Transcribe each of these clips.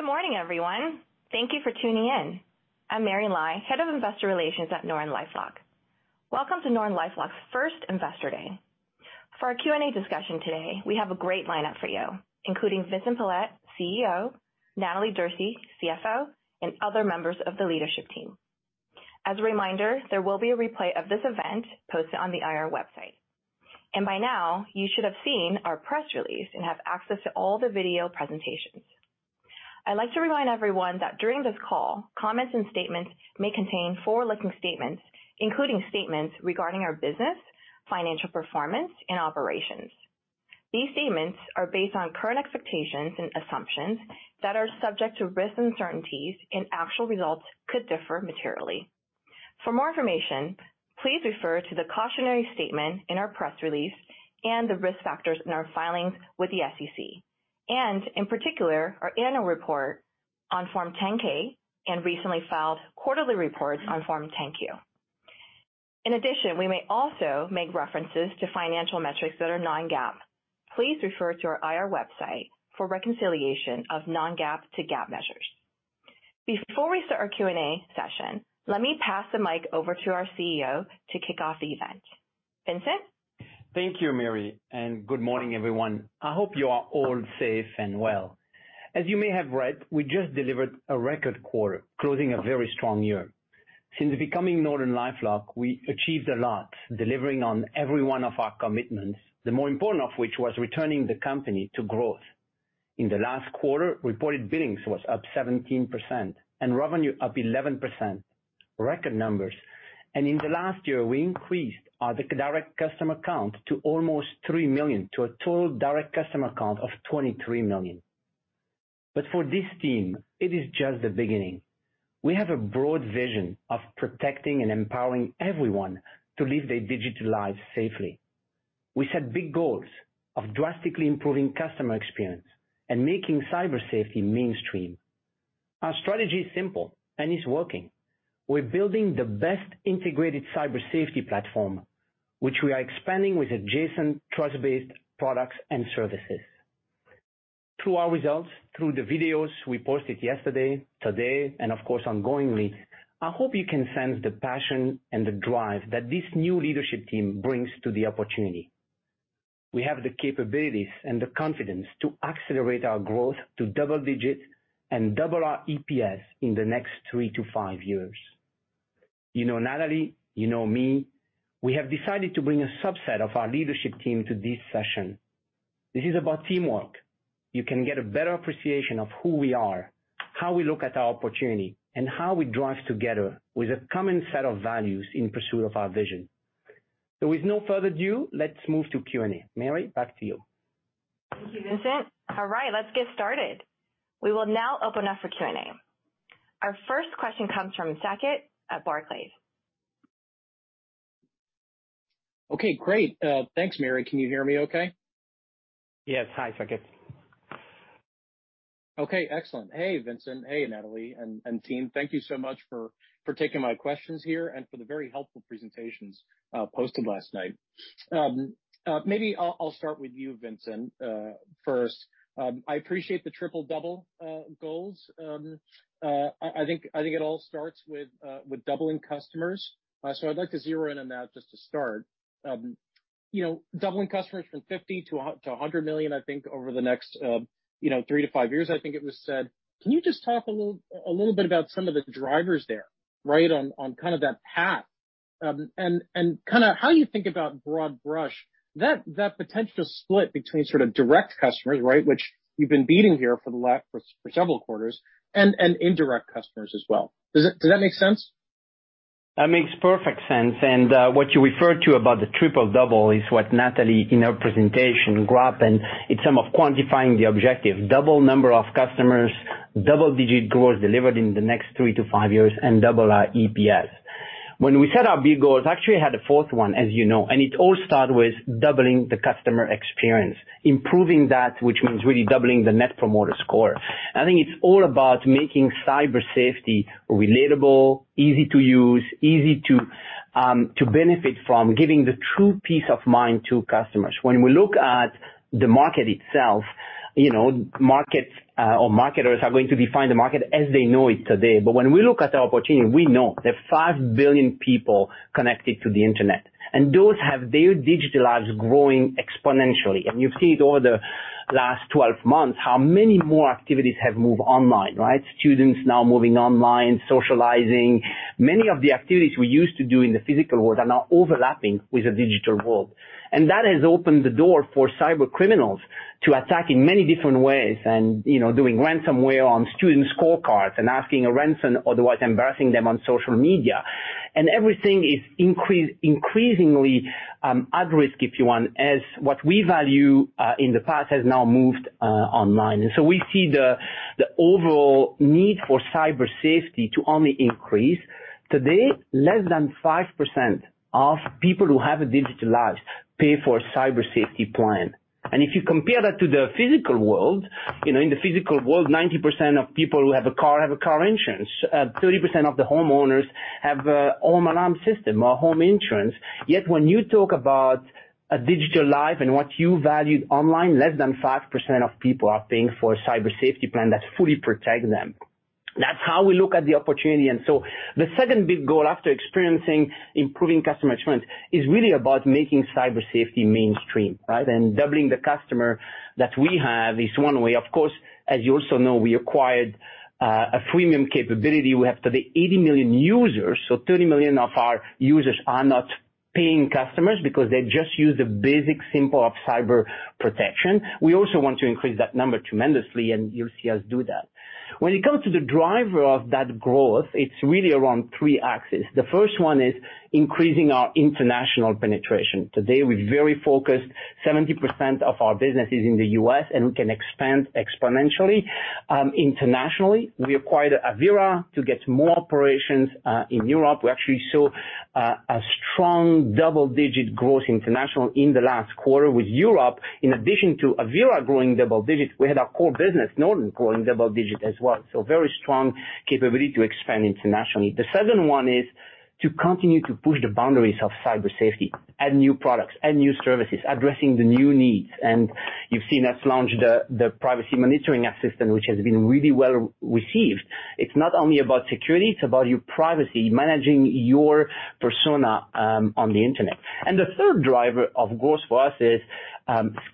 Good morning, everyone. Thank you for tuning in. I'm Mary Lai, Head of Investor Relations at NortonLifeLock. Welcome to NortonLifeLock's first Investor Day. For our Q&A discussion today, we have a great lineup for you, including Vincent Pilette, CEO, Natalie Derse, CFO, and other members of the leadership team. As a reminder, there will be a replay of this event posted on the IR website. By now, you should have seen our press release and have access to all the video presentations. I'd like to remind everyone that during this call, comments and statements may contain forward-looking statements, including statements regarding our business, financial performance, and operations. These statements are based on current expectations and assumptions that are subject to risks and uncertainties, and actual results could differ materially. For more information, please refer to the cautionary statement in our press release and the risk factors in our filings with the SEC, and in particular, our annual report on Form 10-K and recently filed quarterly reports on Form 10-Q. In addition, we may also make references to financial metrics that are non-GAAP. Please refer to our IR website for reconciliation of non-GAAP to GAAP measures. Before we start our Q&A session, let me pass the mic over to our CEO to kick off the event. Vincent? Thank you, Mary. Good morning, everyone. I hope you are all safe and well. As you may have read, we just delivered a record quarter, closing a very strong year. Since becoming NortonLifeLock, we achieved a lot, delivering on every one of our commitments, the more important of which was returning the company to growth. In the last quarter, reported billings was up 17%, revenue up 11%. Record numbers. In the last year, we increased our direct customer count to almost three million, to a total direct customer count of 23 million. For this team, it is just the beginning. We have a broad vision of protecting and empowering everyone to live their digital lives safely. We set big goals of drastically improving customer experience and making cyber safety mainstream. Our strategy is simple, is working. We're building the best integrated cyber safety platform, which we are expanding with adjacent trust-based products and services. Through our results, through the videos we posted yesterday, today, and of course, ongoingly, I hope you can sense the passion and the drive that this new leadership team brings to the opportunity. We have the capabilities and the confidence to accelerate our growth to double digits and double our EPS in the next three to five years. You know Natalie, you know me. We have decided to bring a subset of our leadership team to this session. This is about teamwork. You can get a better appreciation of who we are, how we look at our opportunity, and how we drive together with a common set of values in pursuit of our vision. With no further ado, let's move to Q&A. Mary, back to you. Thank you, Vincent. All right. Let's get started. We will now open up for Q&A. Our first question comes from Saket at Barclays. Okay, great. Thanks, Mary. Can you hear me okay? Yes. Hi, Saket. Okay, excellent. Hey, Vincent. Hey, Natalie and team. Thank you so much for taking my questions here and for the very helpful presentations posted last night. Maybe I'll start with you, Vincent. First, I appreciate the triple-double goals. I think it all starts with doubling customers. I'd like to zero in on that just to start. Doubling customers from 50 to 100 million, I think, over the next three to five years, I think it was said. Can you just talk a little bit about some of the drivers there, right, on kind of that path? How you think about broad brush, that potential split between sort of direct customers, right, which you've been beating here for several quarters, and indirect customers as well. Does that make sense? What you referred to about the triple-double is what Natalie, in her presentation, graphed, and it's a matter of quantifying the objective. Double number of customers, double-digit growth delivered in the next three to five years, double our EPS. When we set our big goals, actually had a fourth one, as you know, it all start with doubling the customer experience, improving that, which means really doubling the net promoter score. I think it's all about making cyber safety relatable, easy to use, easy to benefit from, giving the true peace of mind to customers. When we look at the market itself, markets or marketers are going to define the market as they know it today. When we look at the opportunity, we know there are 5 billion people connected to the Internet, those have their digital lives growing exponentially. You've seen it over the last 12 months, how many more activities have moved online, right? Students now moving online, socializing. Many of the activities we used to do in the physical world are now overlapping with the digital world. That has opened the door for cybercriminals to attack in many different ways and doing ransomware on student scorecards and asking a ransom, otherwise embarrassing them on social media. Everything is increasingly at risk, if you want, as what we value in the past has now moved online. We see the overall need for cyber safety to only increase. Today, less than 5% of people who have a digital life pay for a cyber safety plan. If you compare that to the physical world, in the physical world, 90% of people who have a car have a car insurance. 30% of the homeowners have a home alarm system or home insurance. When you talk about a digital life and what you valued online, less than 5% of people are paying for a cyber safety plan that fully protects them. That's how we look at the opportunity. The second big goal after experiencing improving customer experience is really about making cyber safety mainstream, right? Doubling the customer that we have is one way. Of course, as you also know, we acquired a freemium capability. We have today 80 million users. 30 million of our users are not paying customers because they just use the basic simple of cyber protection. We also want to increase that number tremendously, and you'll see us do that. When it comes to the driver of that growth, it's really around three axes. The first one is increasing our international penetration. Today, we're very focused, 70% of our business is in the U.S., we can expand exponentially. Internationally, we acquired Avira to get more operations in Europe. We actually saw a strong double-digit growth international in the last quarter with Europe. In addition to Avira growing double digits, we had our core business, Norton, growing double digit as well. Very strong capability to expand internationally. The second one is to continue to push the boundaries of cyber safety, add new products, add new services, addressing the new needs. You've seen us launch the Privacy Monitoring Assistant, which has been really well received. It's not only about security, it's about your privacy, managing your persona on the Internet. The third driver, of course, for us is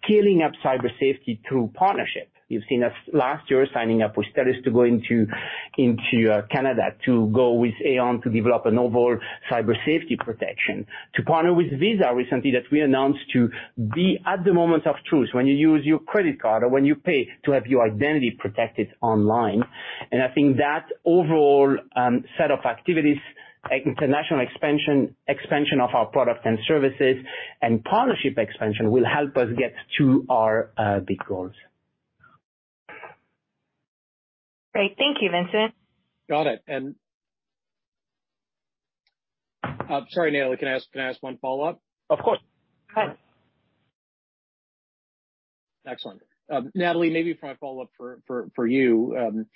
scaling up cyber safety through partnership. You've seen us last year signing up with TELUS to go into Canada, to go with Aon to develop a novel cyber safety protection, to partner with Visa recently that we announced to be at the moment of truth when you use your credit card or when you pay to have your identity protected online. I think that overall set of activities, international expansion of our products and services and partnership expansion will help us get to our big goals. Great. Thank you, Vincent. Got it. Sorry, Natalie, can I ask one follow-up? Of course. Go ahead. Excellent. Natalie, maybe my follow-up for you.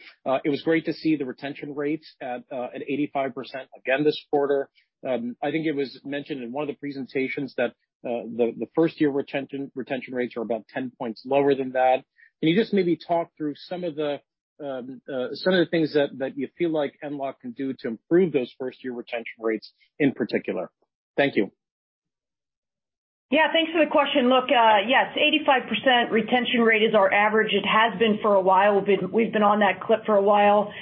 It was great to see the retention rates at 85% again this quarter. I think it was mentioned in one of the presentations that the first-year retention rates are about 10 points lower than that. Can you just maybe talk through some of the things that you feel like NortonLifeLock can do to improve those first-year retention rates in particular? Thank you. Yeah. Thanks for the question. Yes, 85% retention rate is our average. It has been for a while. We've been on that clip for a while.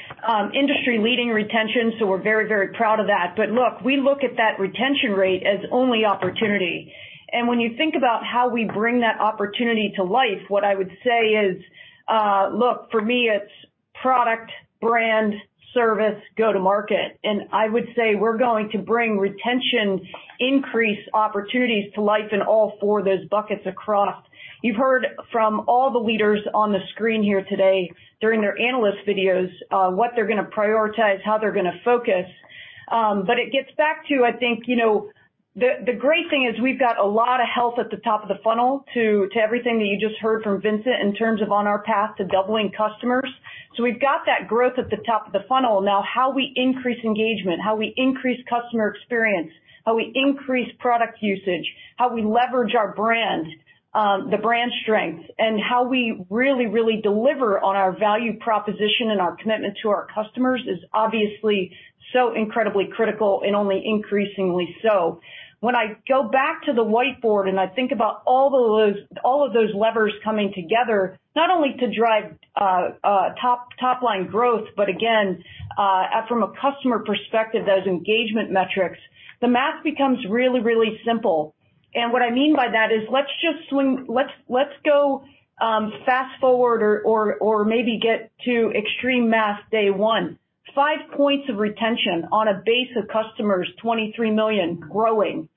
Industry-leading retention, we're very proud of that. We look at that retention rate as only opportunity. When you think about how we bring that opportunity to life, what I would say is, for me, it's product, brand, service, go to market. I would say we're going to bring retention increase opportunities to life in all four of those buckets across. You've heard from all the leaders on the screen here today during their analyst videos, what they're going to prioritize, how they're going to focus. It gets back to, I think, the great thing is we've got a lot of health at the top of the funnel to everything that you just heard from Vincent in terms of on our path to doubling customers. We've got that growth at the top of the funnel. Now, how we increase engagement, how we increase customer experience, how we increase product usage, how we leverage our brand, the brand strength, and how we really deliver on our value proposition and our commitment to our customers is obviously so incredibly critical and only increasingly so. When I go back to the whiteboard and I think about all of those levers coming together, not only to drive top-line growth, but again, from a customer perspective, those engagement metrics, the math becomes really simple. What I mean by that is let's go fast-forward or maybe get to extreme math day one. Five points of retention on a base of customers, 23 million growing.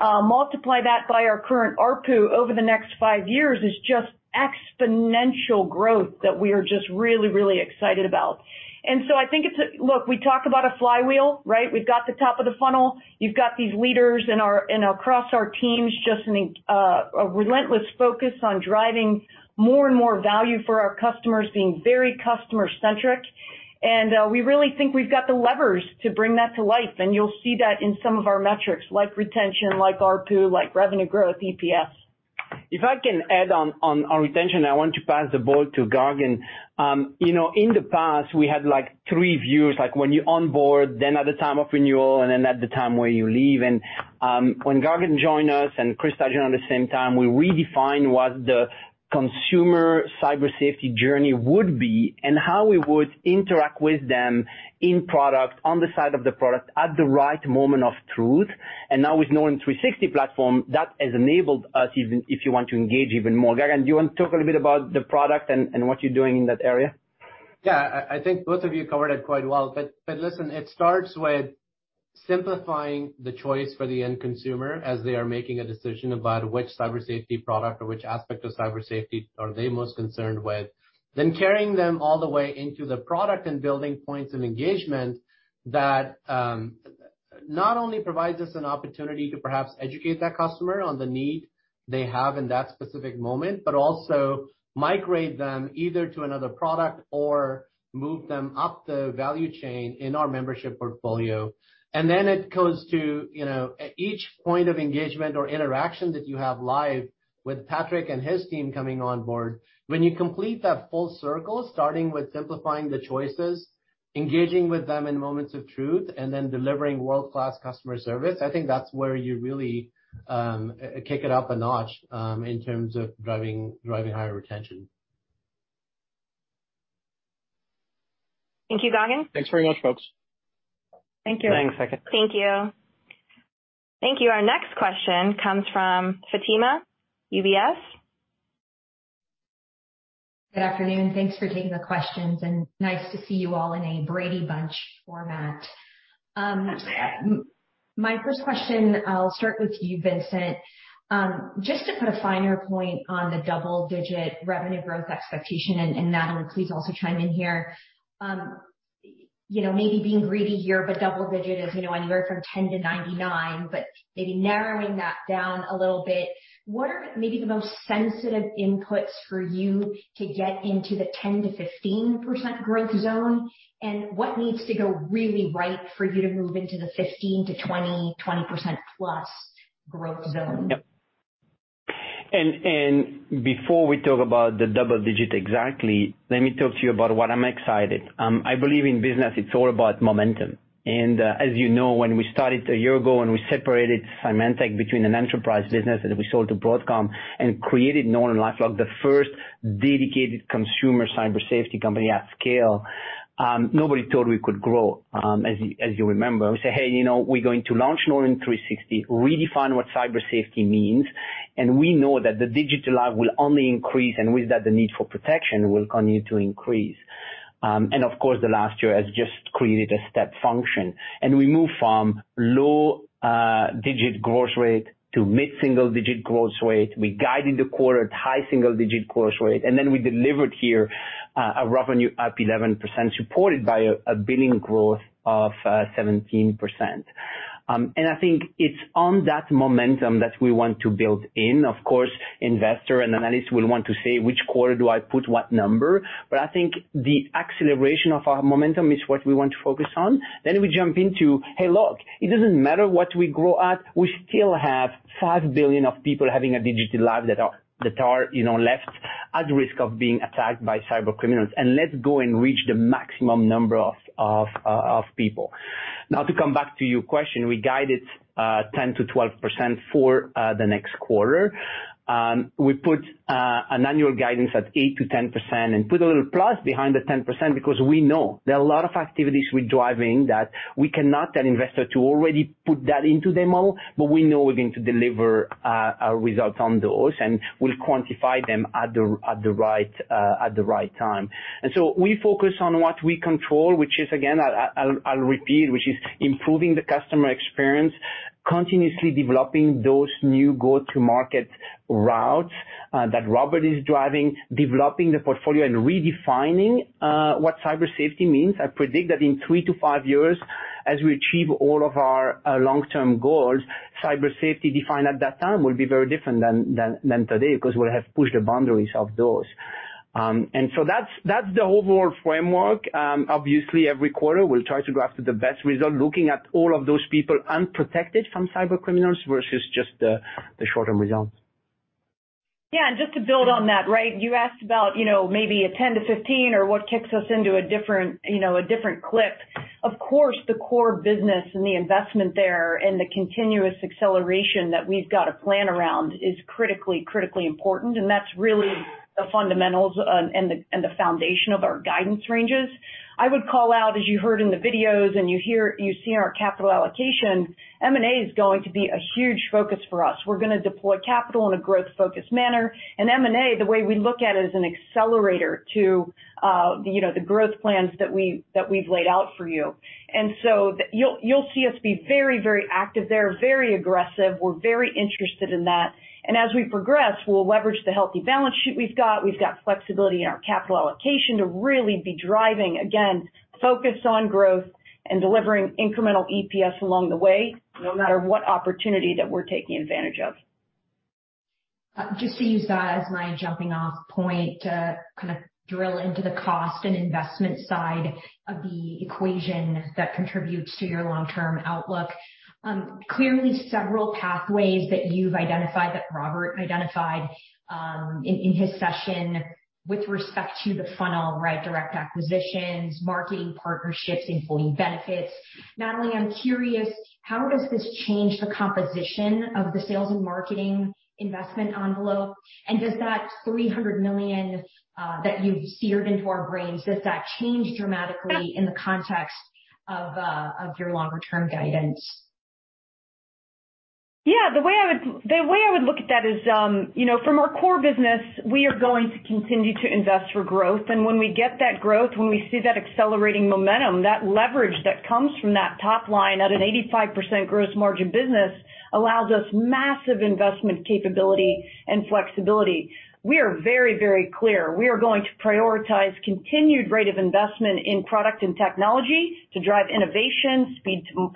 Multiply that by our current ARPU over the next five years is just exponential growth that we are just really excited about. I think, look, we talk about a flywheel, right? We've got the top of the funnel. You've got these leaders and across our teams, just a relentless focus on driving more and more value for our customers, being very customer-centric. We really think we've got the levers to bring that to life. You'll see that in some of our metrics, like retention, like ARPU, like revenue growth, EPS. If I can add on retention, I want to pass the ball to Gagan. In the past, we had three views, like when you onboard, then at the time of renewal, and then at the time where you leave. When Gagan joined us and Krista Todd at the same time, we redefined what the consumer cyber safety journey would be and how we would interact with them in product, on the side of the product, at the right moment of truth. Now with Norton 360 platform, that has enabled us, if you want to engage even more. Gagan, do you want to talk a little bit about the product and what you're doing in that area? Yeah. I think both of you covered it quite well. Listen, it starts with simplifying the choice for the end consumer as they are making a decision about which cyber safety product or which aspect of cyber safety are they most concerned with. Carrying them all the way into the product and building points of engagement that not only provides us an opportunity to perhaps educate that customer on the need they have in that specific moment, but also migrate them either to another product or move them up the value chain in our membership portfolio. It goes to each point of engagement or interaction that you have live with Patrick and his team coming on board. When you complete that full circle, starting with simplifying the choices, engaging with them in moments of truth, and then delivering world-class customer service, I think that's where you really kick it up a notch in terms of driving higher retention. Thank you, Gagan. Thanks very much, folks. Thank you. Thanks. Thank you. Thank you. Our next question comes from Fatima, UBS. Good afternoon. Thanks for taking the questions, and nice to see you all in a Brady Bunch format. My first question, I'll start with you, Vincent. Just to put a finer point on the double-digit revenue growth expectation, and Natalie, please also chime in here. Maybe being greedy here, but double-digit, as you know, anywhere from 10 to 99, but maybe narrowing that down a little bit, what are maybe the most sensitive inputs for you to get into the 10%-15% growth zone, and what needs to go really right for you to move into the 15%-20% plus growth zone? Yep. Before we talk about the double-digit exactly, let me talk to you about what I'm excited. I believe in business, it's all about momentum. As you know, when we started one year ago, and we separated Symantec between an enterprise business that we sold to Broadcom and created NortonLifeLock, the first dedicated consumer cyber safety company at scale, nobody thought we could grow, as you remember. We say, "Hey, we're going to launch Norton 360, redefine what cyber safety means." We know that the digital life will only increase, and with that, the need for protection will continue to increase. Of course, the last year has just created a step function. We move from low-digit growth rate to mid-single-digit growth rate. We guided the quarter at high single-digit growth rate, and then we delivered here a revenue up 11%, supported by a billing growth of 17%. I think it's on that momentum that we want to build in. Of course, investor and analysts will want to say, "Which quarter do I put what number?" I think the acceleration of our momentum is what we want to focus on. We jump into, hey, look, it doesn't matter what we grow at, we still have 5 billion of people having a digital life that are left at risk of being attacked by cybercriminals, and let's go and reach the maximum number of people. Now, to come back to your question, we guided 10%-12% for the next quarter. We put an annual guidance at 8%-10% and put a little plus behind the 10% because we know there are a lot of activities we're driving that we cannot tell investors to already put that into their model, but we know we're going to deliver our results on those, and we'll quantify them at the right time. We focus on what we control, which is, again, I'll repeat, which is improving the customer experience, continuously developing those new go-to-market routes that Robert is driving, developing the portfolio, and redefining what cyber safety means. I predict that in three to five years, as we achieve all of our long-term goals, cyber safety defined at that time will be very different than today, because we'll have pushed the boundaries of those. That's the overall framework. Obviously, every quarter, we'll try to go after the best result, looking at all of those people unprotected from cybercriminals versus just the short-term results. Just to build on that. You asked about maybe a 10 to 15 or what kicks us into a different clip. Of course, the core business and the investment there and the continuous acceleration that we've got to plan around is critically important, and that's really the fundamentals and the foundation of our guidance ranges. I would call out, as you heard in the videos and you see in our capital allocation, M&A is going to be a huge focus for us. We're going to deploy capital in a growth-focused manner. M&A, the way we look at it, is an accelerator to the growth plans that we've laid out for you. You'll see us be very active there, very aggressive. We're very interested in that. As we progress, we'll leverage the healthy balance sheet we've got. We've got flexibility in our capital allocation to really be driving, again, focus on growth and delivering incremental EPS along the way, no matter what opportunity that we're taking advantage of. Just to use that as my jumping off point to kind of drill into the cost and investment side of the equation that contributes to your long-term outlook. Clearly, several pathways that you've identified, that Robert identified in his session with respect to the funnel, direct acquisitions, marketing partnerships, employee benefits. Natalie, I'm curious, how does this change the composition of the sales and marketing investment envelope? Does that $300 million that you've seared into our brains, does that change dramatically in the context of your longer term guidance? Yeah. The way I would look at that is, from our core business, we are going to continue to invest for growth. When we get that growth, when we see that accelerating momentum, that leverage that comes from that top line at an 85% gross margin business allows us massive investment capability and flexibility. We are very clear we are going to prioritize continued rate of investment in product and technology to drive innovation, speed to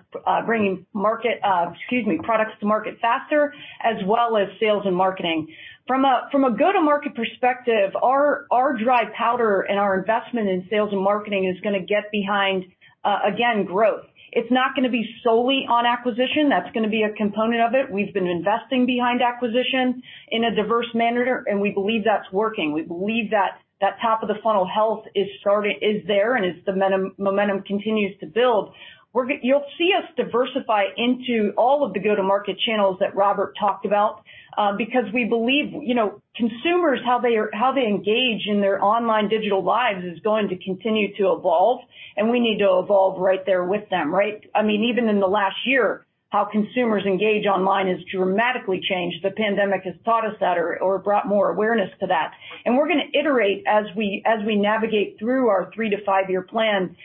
bringing products to market faster, as well as sales and marketing. From a go-to-market perspective, our dry powder and our investment in sales and marketing is going to get behind, again, growth. It's not going to be solely on acquisition. That's going to be a component of it. We've been investing behind acquisition in a diverse manner, and we believe that's working. We believe that top of the funnel health is there, and as the momentum continues to build, you'll see us diversify into all of the go-to-market channels that Robert talked about. We believe consumers, how they engage in their online digital lives is going to continue to evolve, and we need to evolve right there with them. Even in the last year, how consumers engage online has dramatically changed. The pandemic has taught us that or brought more awareness to that. We're going to iterate as we navigate through our three to five-year plan.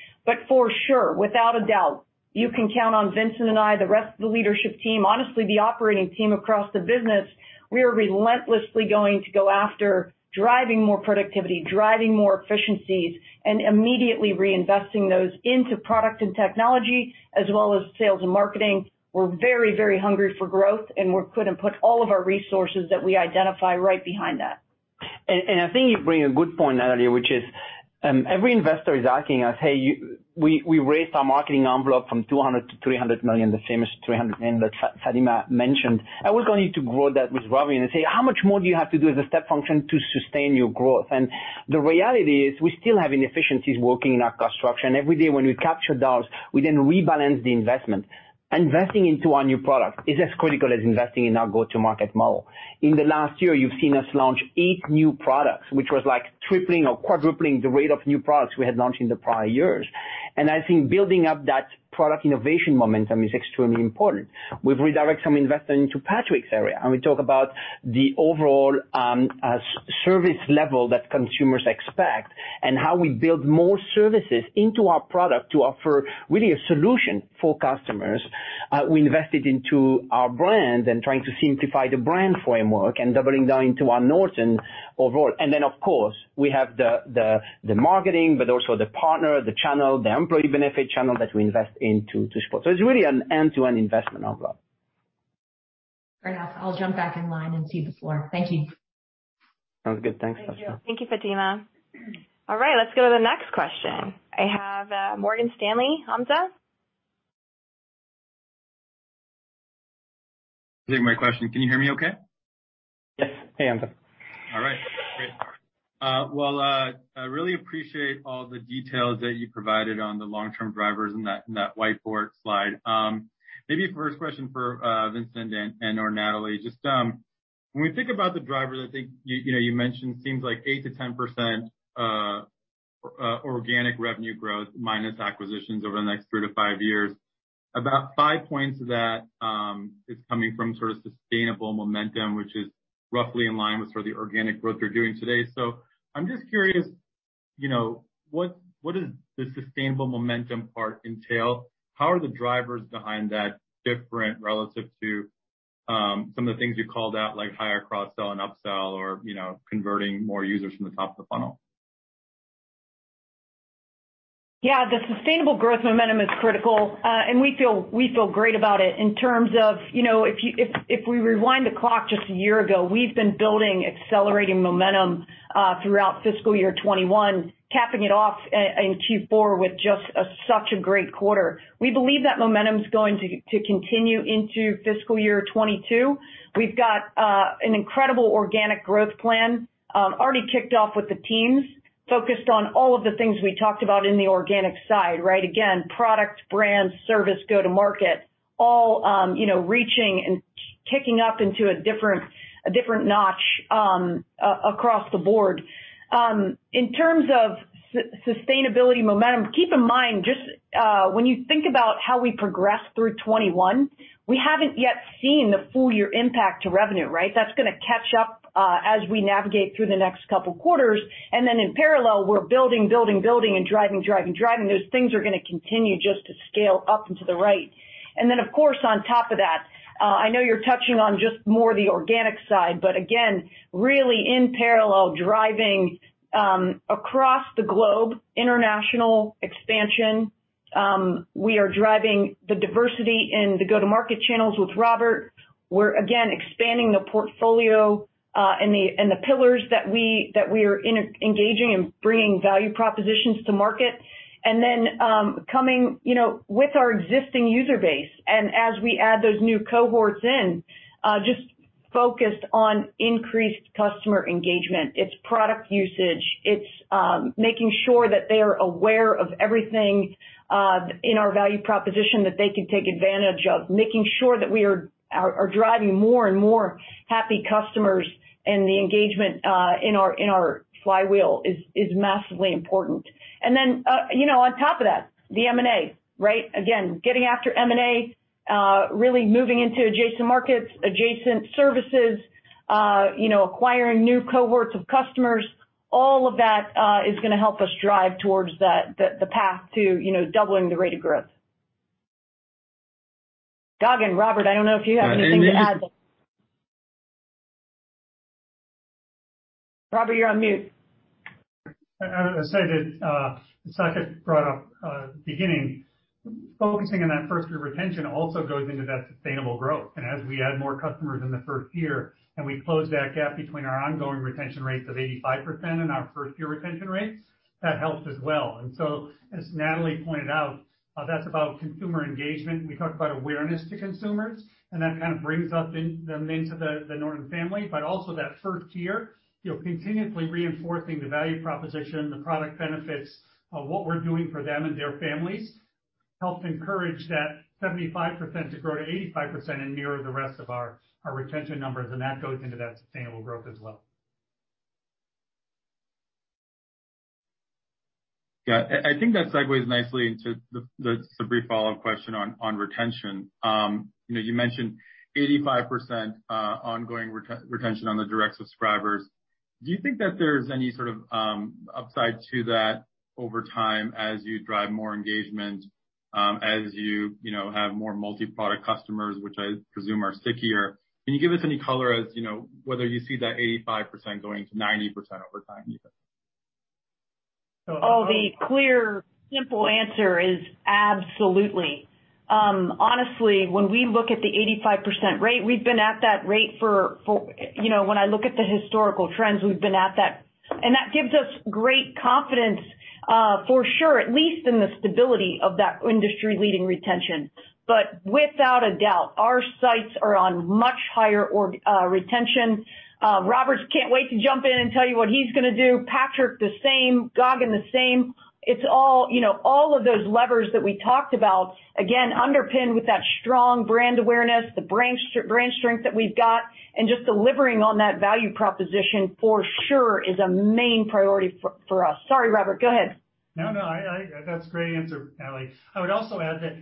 For sure, without a doubt, you can count on Vincent and I, the rest of the leadership team, honestly, the operating team across the business. We are relentlessly going to go after driving more productivity, driving more efficiencies, and immediately reinvesting those into product and technology, as well as sales and marketing. We're very hungry for growth, and we're going to put all of our resources that we identify right behind that. I think you bring a good point, Natalie, which is every investor is asking us, "Hey," we raised our marketing envelope from $200 million to $300 million, the famous $300 million that Fatima mentioned. We're going to grow that with Robert and say, "How much more do you have to do as a step function to sustain your growth?" The reality is we still have inefficiencies working in our cost structure. Every day when we capture those, we then rebalance the investment. Investing into our new product is as critical as investing in our go-to market model. In the last year, you've seen us launch eight new products, which was like tripling or quadrupling the rate of new products we had launched in the prior years. I think building up that product innovation momentum is extremely important. We've redirected some investment into Patrick's area, and we talk about the overall service level that consumers expect, and how we build more services into our product to offer really a solution for customers. We invested into our brands and trying to simplify the brand framework and doubling down into our Norton overall. Of course, we have the marketing, but also the partner, the channel, the employee benefit channel that we invest into to support. It's really an end-to-end investment envelope. Fair enough. I'll jump back in line and see before. Thank you. Sounds good. Thanks, Fatima. Thank you, Fatima. All right, let's go to the next question. I have Morgan Stanley, Hamza. Taking my question. Can you hear me okay? Yes. Hey, Hamza. All right. Great. Well, I really appreciate all the details that you provided on the long-term drivers in that whiteboard slide. Maybe a first question for Vincent and/or Natalie. Just when we think about the drivers, I think you mentioned seems like 8%-10% organic revenue growth minus acquisitions over the next three to five years. About five points of that is coming from sustainable momentum, which is roughly in line with the organic growth you're doing today. I'm just curious, what does the sustainable momentum part entail? How are the drivers behind that different relative to some of the things you called out, like higher cross-sell and up-sell or converting more users from the top of the funnel? Yeah, the sustainable growth momentum is critical. We feel great about it in terms of if we rewind the clock just a year ago, we've been building accelerating momentum throughout fiscal year 2021, capping it off in Q4 with just such a great quarter. We believe that momentum's going to continue into fiscal year 2022. We've got an incredible organic growth plan already kicked off with the teams, focused on all of the things we talked about in the organic side, right? Again, product, brand, service, go to market, all reaching and kicking up into a different notch across the board. In terms of sustainability momentum, keep in mind, when you think about how we progressed through 2021, we haven't yet seen the full year impact to revenue, right? That's going to catch up as we navigate through the next couple quarters. In parallel, we're building and driving. Those things are going to continue just to scale up and to the right. Of course, on top of that, I know you're touching on just more the organic side, but again, really in parallel, driving across the globe, international expansion. We are driving the diversity in the go-to-market channels with Robert. We're again, expanding the portfolio and the pillars that we are engaging and bringing value propositions to market. Coming with our existing user base, and as we add those new cohorts in, just focused on increased customer engagement. It's product usage. It's making sure that they are aware of everything in our value proposition that they can take advantage of. Making sure that we are driving more and more happy customers, the engagement in our flywheel is massively important. On top of that, the M&A, right? Again, getting after M&A, really moving into adjacent markets, adjacent services, acquiring new cohorts of customers. All of that is going to help us drive towards the path to doubling the rate of growth. Gagan, Robert, I don't know if you have anything to add. Robert, you're on mute. I would say that, as I just brought up at the beginning, focusing on that first year retention also goes into that sustainable growth. As we add more customers in the first year, and we close that gap between our ongoing retention rates of 85% and our first year retention rates, that helps as well. As Natalie pointed out, that's about consumer engagement. We talked about awareness to consumers, and that kind of brings them into the Norton family. Also that first year, continually reinforcing the value proposition, the product benefits, what we're doing for them and their families helped encourage that 75% to grow to 85% and mirror the rest of our retention numbers, and that goes into that sustainable growth as well. Yeah, I think that segues nicely into just a brief follow-up question on retention. You mentioned 85% ongoing retention on the direct subscribers. Do you think that there's any sort of upside to that over time as you drive more engagement, as you have more multi-product customers, which I presume are stickier? Can you give us any color as whether you see that 85% going to 90% over time even? Oh, the clear, simple answer is absolutely. Honestly, when we look at the 85% rate, we've been at that rate. When I look at the historical trends, we've been at that. That gives us great confidence for sure, at least in the stability of that industry-leading retention. Without a doubt, our sights are on much higher retention. Robert can't wait to jump in and tell you what he's going to do. Patrick, the same. Gagan, the same. It's all of those levers that we talked about, again, underpinned with that strong brand awareness, the brand strength that we've got, and just delivering on that value proposition for sure is a main priority for us. Sorry, Robert, go ahead. No, that's a great answer, Natalie. I would also add that.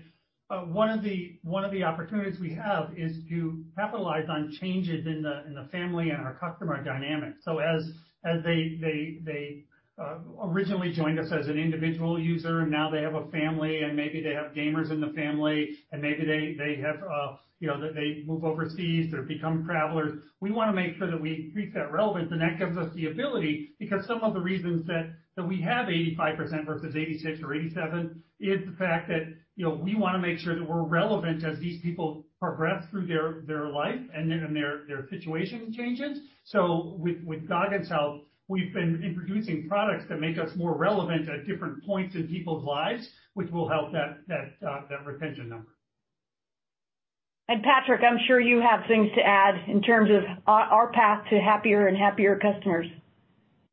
One of the opportunities we have is to capitalize on changes in the family and our customer dynamics. As they originally joined us as an individual user, and now they have a family, and maybe they have gamers in the family, and maybe they move overseas or become travelers. We want to make sure that we keep that relevant, and that gives us the ability, because some of the reasons that we have 85% versus 86 or 87 is the fact that we want to make sure that we're relevant as these people progress through their life and their situation changes. With Gagan's help, we've been introducing products that make us more relevant at different points in people's lives, which will help that retention number. Patrick, I'm sure you have things to add in terms of our path to happier and happier customers.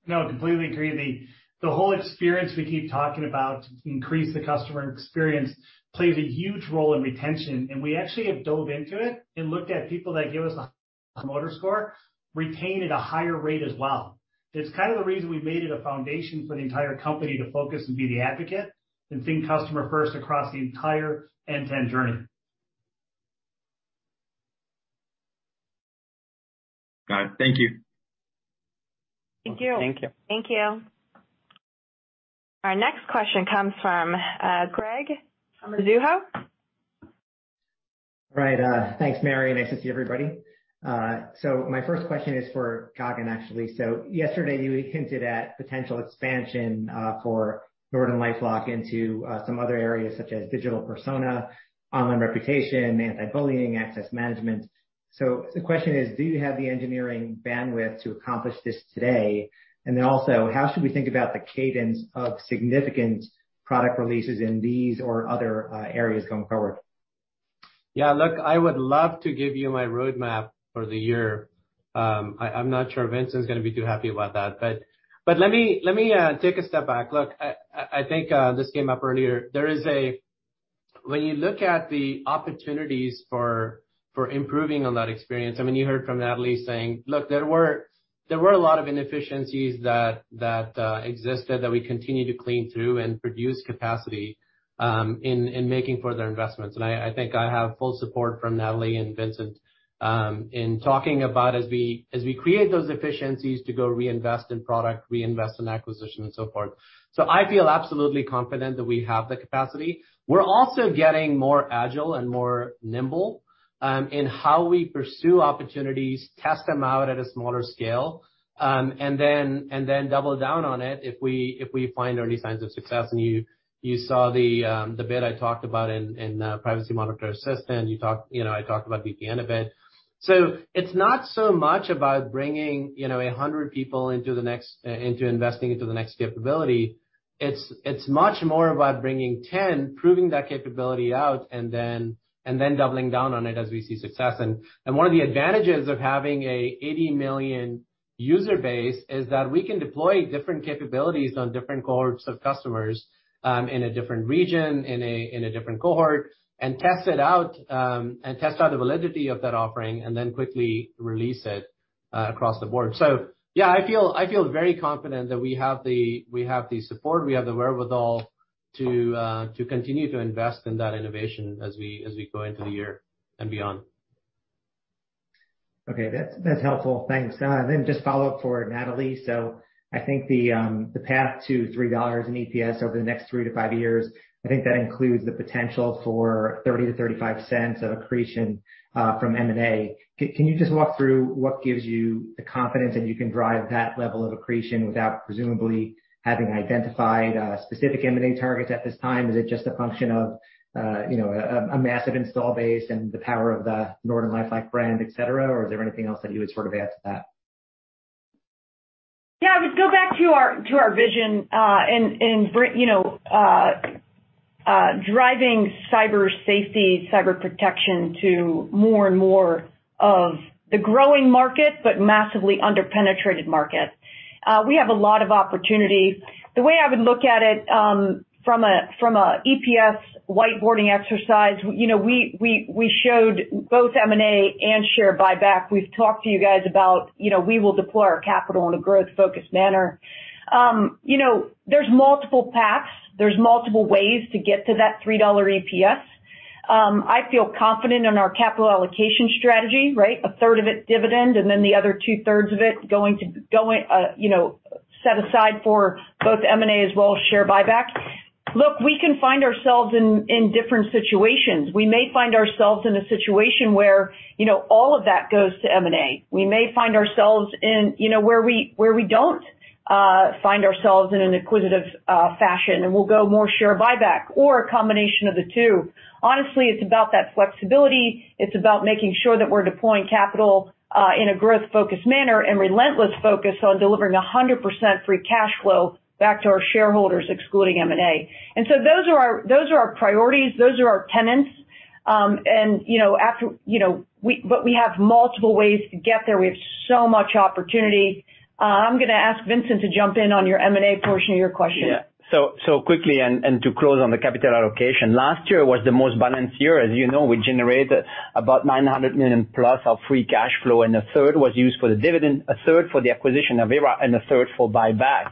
No, completely agree. The whole experience we keep talking about, increase the customer experience, plays a huge role in retention, and we actually have dove into it and looked at people that give us the highest promoter score, retain at a higher rate as well. It's kind of the reason we made it a foundation for the entire company to focus and be the advocate and think customer first across the entire end to end journey. Got it. Thank you. Thank you. Our next question comes from Gregg Mizuho. Right. Thanks, Mary, nice to see everybody. My first question is for Gagan, actually. Yesterday you hinted at potential expansion for NortonLifeLock into some other areas such as digital persona, online reputation, anti-bullying, access management. The question is, do you have the engineering bandwidth to accomplish this today? How should we think about the cadence of significant product releases in these or other areas going forward? Yeah, look, I would love to give you my roadmap for the year. I'm not sure Vincent's going to be too happy about that. Let me take a step back. Look, I think this came up earlier. When you look at the opportunities for improving on that experience, you heard from Natalie saying, look, there were a lot of inefficiencies that existed that we continue to clean through and produce capacity, in making further investments. I think I have full support from Natalie and Vincent, in talking about as we create those efficiencies to go reinvest in product, reinvest in acquisition and so forth. I feel absolutely confident that we have the capacity. We're also getting more agile and more nimble in how we pursue opportunities, test them out at a smaller scale, and then double down on it if we find early signs of success. You saw the bit I talked about in Privacy Monitor Assistant, I talked about VPN a bit. It's not so much about bringing 100 people into investing into the next capability. It's much more about bringing 10, proving that capability out, and then doubling down on it as we see success. One of the advantages of having an 80 million user base is that we can deploy different capabilities on different cohorts of customers, in a different region, in a different cohort, and test out the validity of that offering, and then quickly release it across the board. Yeah, I feel very confident that we have the support, we have the wherewithal to continue to invest in that innovation as we go into the year and beyond. Okay, that's helpful. Thanks. Just follow up for Natalie. I think the path to $3 in EPS over the next three to five years, I think that includes the potential for $0.30-$0.35 of accretion from M&A. Can you just walk through what gives you the confidence that you can drive that level of accretion without presumably having identified specific M&A targets at this time? Is it just a function of a massive install base and the power of the NortonLifeLock brand, et cetera? Or is there anything else that you would sort of add to that? Yeah, I would go back to our vision and driving cyber safety, cyber protection to more and more of the growing market, but massively under-penetrated market. We have a lot of opportunities. The way I would look at it from an EPS whiteboarding exercise, we showed both M&A and share buyback. We've talked to you guys about we will deploy our capital in a growth-focused manner. There's multiple paths. There's multiple ways to get to that $3 EPS. I feel confident in our capital allocation strategy, right? A third of it dividend, and then the other two-thirds of it set aside for both M&A as well as share buyback. Look, we can find ourselves in different situations. We may find ourselves in a situation where all of that goes to M&A. We may find ourselves in where we don't find ourselves in an acquisitive fashion, and we'll go more share buyback or a combination of the two. Honestly, it's about that flexibility. It's about making sure that we're deploying capital in a growth-focused manner and relentlessly focused on delivering 100% free cash flow back to our shareholders, excluding M&A. Those are our priorities. Those are our tenants. We have multiple ways to get there. We have so much opportunity. I'm going to ask Vincent to jump in on your M&A portion of your question. Quickly, and to close on the capital allocation, last year was the most balanced year. As you know, we generated about $900 million plus of free cash flow, and a third was used for the dividend, a third for the acquisition of Avira, and a third for buyback.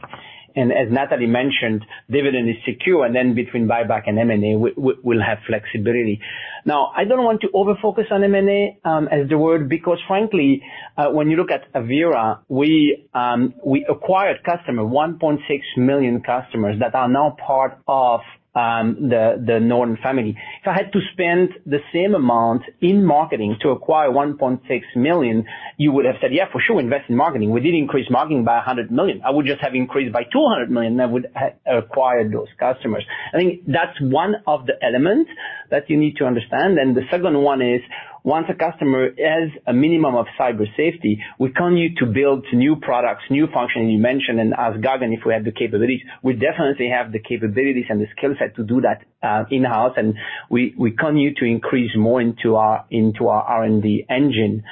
As Natalie mentioned, dividend is secure, and then between buyback and M&A, we'll have flexibility. Now, I don't want to over-focus on M&A as the word because frankly, when you look at Avira, we acquired customers, 1.6 million customers that are now part of the Norton family. If I had to spend the same amount in marketing to acquire 1.6 million, you would have said, "Yeah, for sure. Invest in marketing." We did increase marketing by $100 million. I would just have increased by $200 million that would acquire those customers. I think that's one of the elements that you need to understand. The second one is, once a customer has a minimum of cyber safety, we continue to build new products, new functionality you mentioned, and ask Gagan if we have the capabilities. We definitely have the capabilities and the skill set to do that in-house, and we continue to increase more into our R&D engine.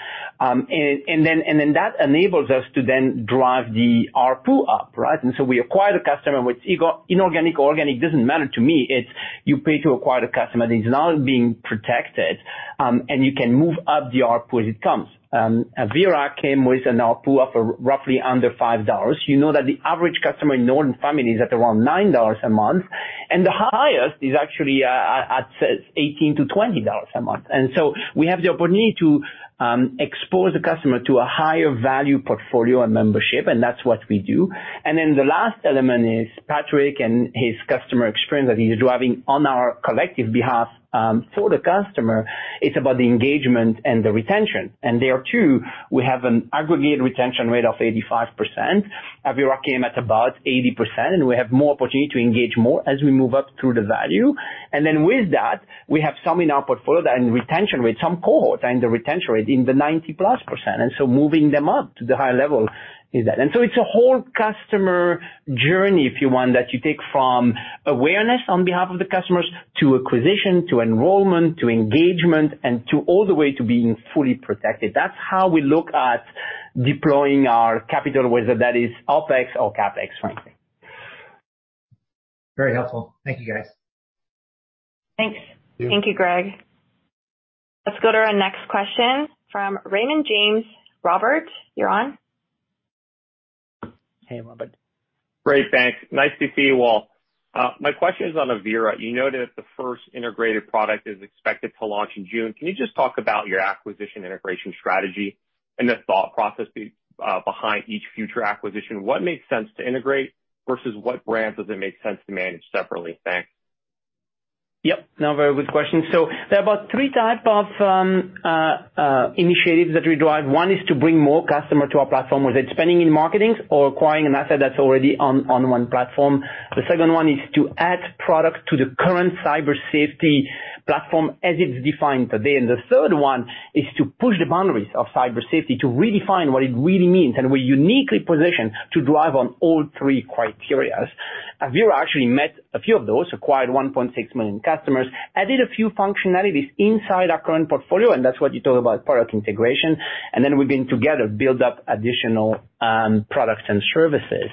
That enables us to then drive the ARPU up, right? We acquire the customer, whether inorganic or organic, doesn't matter to me. It's you pay to acquire the customer that is now being protected, and you can move up the ARPU as it comes. Avira came with an ARPU of roughly under $5. You know that the average customer in Norton family is at around $9 a month, and the highest is actually at $18-$20 a month. We have the opportunity to expose the customer to a higher value portfolio and membership, and that's what we do. The last element is Patrick and his customer experience that he's driving on our collective behalf. For the customer, it's about the engagement and the retention. There, too, we have an aggregate retention rate of 85%. Avira came at about 80%, and we have more opportunity to engage more as we move up through the value. With that, we have some in our portfolio and retention rate, some cohorts, and the retention rate in the 90-plus %. Moving them up to the higher level is that. It's a whole customer journey, if you want, that you take from awareness on behalf of the customers to acquisition, to enrollment, to engagement, and all the way to being fully protected. That's how we look at deploying our capital, whether that is OpEx or CapEx, frankly. Very helpful. Thank you, guys. Thanks. Thank you, Gregg. Let's go to our next question from Raymond James. Robert, you're on. Hey, Robert. Great, thanks. Nice to see you all. My question is on Avira. You noted that the first integrated product is expected to launch in June. Can you just talk about your acquisition integration strategy and the thought process behind each future acquisition? What makes sense to integrate versus what brands does it make sense to manage separately? Thanks. Yep. No, very good question. There are about three type of initiatives that we drive. One is to bring more customers to our platform, whether it's spending in marketing or acquiring an asset that's already on one platform. The second one is to add products to the current cyber safety platform as it's defined today. The third one is to push the boundaries of cyber safety to redefine what it really means, and we're uniquely positioned to drive on all three criteria. Avira actually met a few of those, acquired 1.6 million customers, added a few functionalities inside our current portfolio, and that's what you talk about product integration. We've been together build up additional products and services.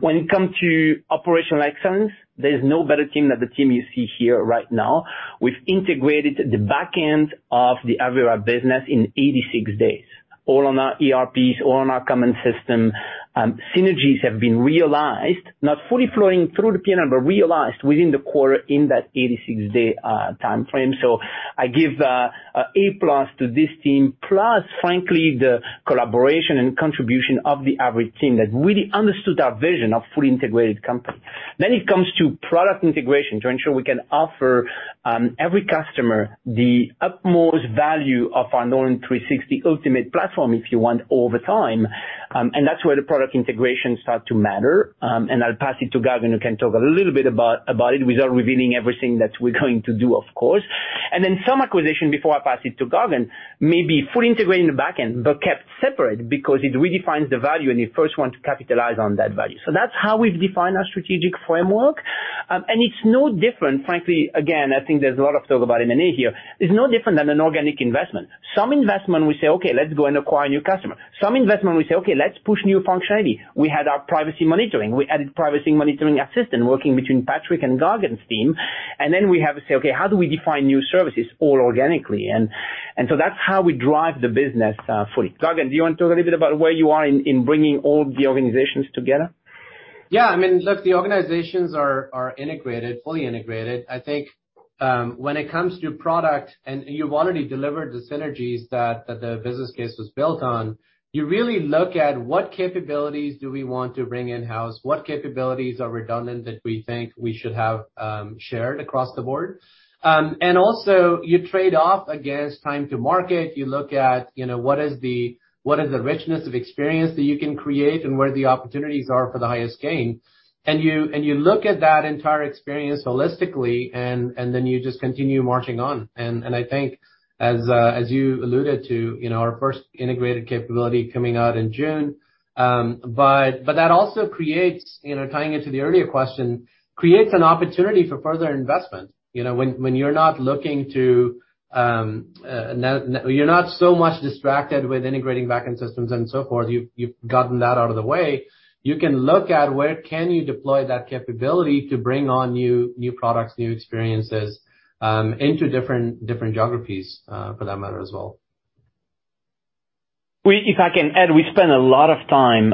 When it comes to operational excellence, there's no better team than the team you see here right now. We've integrated the back end of the Avira business in 86 days, all on our ERPs, all on our common system. Synergies have been realized, not fully flowing through the P&L, but realized within the quarter in that 86-day timeframe. I give A+ to this team, plus frankly, the collaboration and contribution of the Avira team that really understood our vision of fully integrated company. It comes to product integration to ensure we can offer every customer the utmost value of our Norton 360 Ultimate platform, if you want, over time. That's where the product integration start to matter. I'll pass it to Gagan, who can talk a little bit about it without revealing everything that we're going to do, of course. Some acquisition, before I pass it to Gagan, may be fully integrated in the back end, but kept separate because it redefines the value, and you first want to capitalize on that value. That's how we've defined our strategic framework. It's no different, frankly, again, I think there's a lot of talk about M&A here. It's no different than an organic investment. Some investment we say, "Okay, let's go and acquire a new customer." Some investment we say, "Okay, let's push new functionality." We had our privacy monitoring. We added Privacy Monitoring Assistant working between Patrick and Gagan's team. We have to say, "Okay, how do we define new services all organically?" That's how we drive the business fully. Gagan, do you want to talk a little bit about where you are in bringing all the organizations together? Yeah. I mean, look, the organizations are integrated, fully integrated. I think when it comes to product, you've already delivered the synergies that the business case was built on. You really look at what capabilities do we want to bring in-house, what capabilities are redundant that we think we should have shared across the board. Also you trade off against time to market. You look at what is the richness of experience that you can create and where the opportunities are for the highest gain. You look at that entire experience holistically, then you just continue marching on. I think as you alluded to, our first integrated capability coming out in June. That also creates, tying into the earlier question, creates an opportunity for further investment. When you're not so much distracted with integrating backend systems and so forth, you've gotten that out of the way. You can look at where can you deploy that capability to bring on new products, new experiences, into different geographies, for that matter as well. If I can add, we spend a lot of time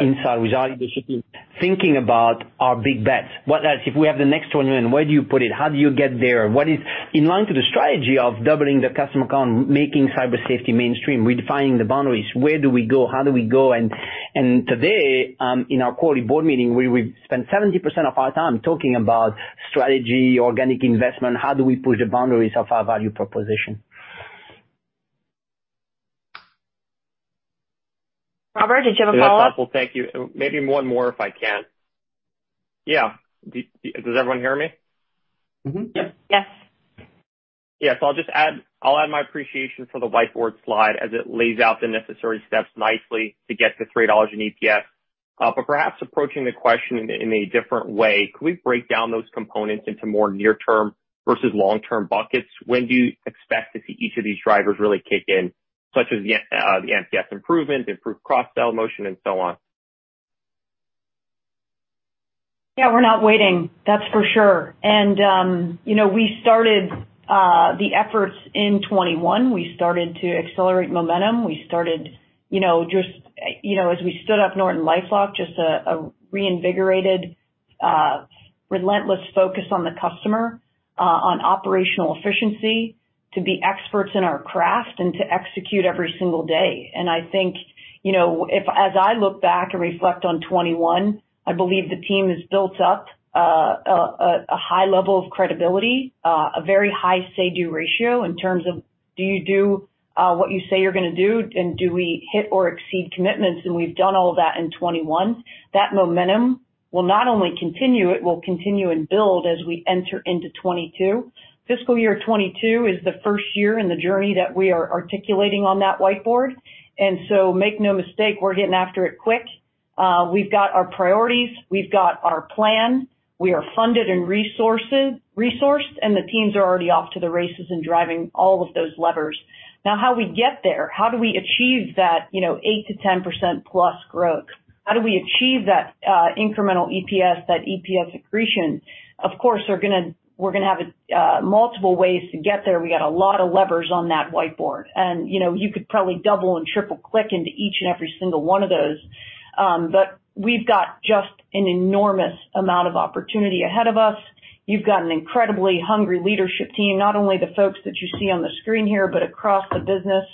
inside with our leadership team thinking about our big bets. What else? If we have the next 20 million, where do you put it? How do you get there? In line to the strategy of doubling the customer count, making cyber safety mainstream, redefining the boundaries. Where do we go? How do we go? Today, in our quarterly board meeting, we will spend 70% of our time talking about strategy, organic investment. How do we push the boundaries of our value proposition? Robert, did you have a follow-up? That's helpful. Thank you. Maybe one more, if I can. Does everyone hear me? Yes. I'll just add my appreciation for the whiteboard slide as it lays out the necessary steps nicely to get to $3 in EPS. Perhaps approaching the question in a different way, could we break down those components into more near term versus long-term buckets? When do you expect to see each of these drivers really kick in, such as the NPS improvement, improved cross-sell motion, and so on? Yeah, we're not waiting, that's for sure. We started the efforts in 2021. We started to accelerate momentum. We started, as we stood up NortonLifeLock, just a reinvigorated, relentless focus on the customer, on operational efficiency, to be experts in our craft, and to execute every single day. I think, as I look back and reflect on 2021, I believe the team has built up a high level of credibility, a very high say-do ratio in terms of do you do what you say you're gonna do, and do we hit or exceed commitments? We've done all of that in 2021. That momentum will not only continue, it will continue and build as we enter into 2022. Fiscal year 2022 is the first year in the journey that we are articulating on that whiteboard. Make no mistake, we're getting after it quick. We've got our priorities. We've got our plan. We are funded and resourced, and the teams are already off to the races and driving all of those levers. Now, how we get there, how do we achieve that 8%-10%+ growth? How do we achieve that incremental EPS, that EPS accretion? Of course, we're going to have multiple ways to get there. We got a lot of levers on that whiteboard, and you could probably double and triple click into each and every single one of those. We've got just an enormous amount of opportunity ahead of us. You've got an incredibly hungry leadership team, not only the folks that you see on the screen here, but across the business.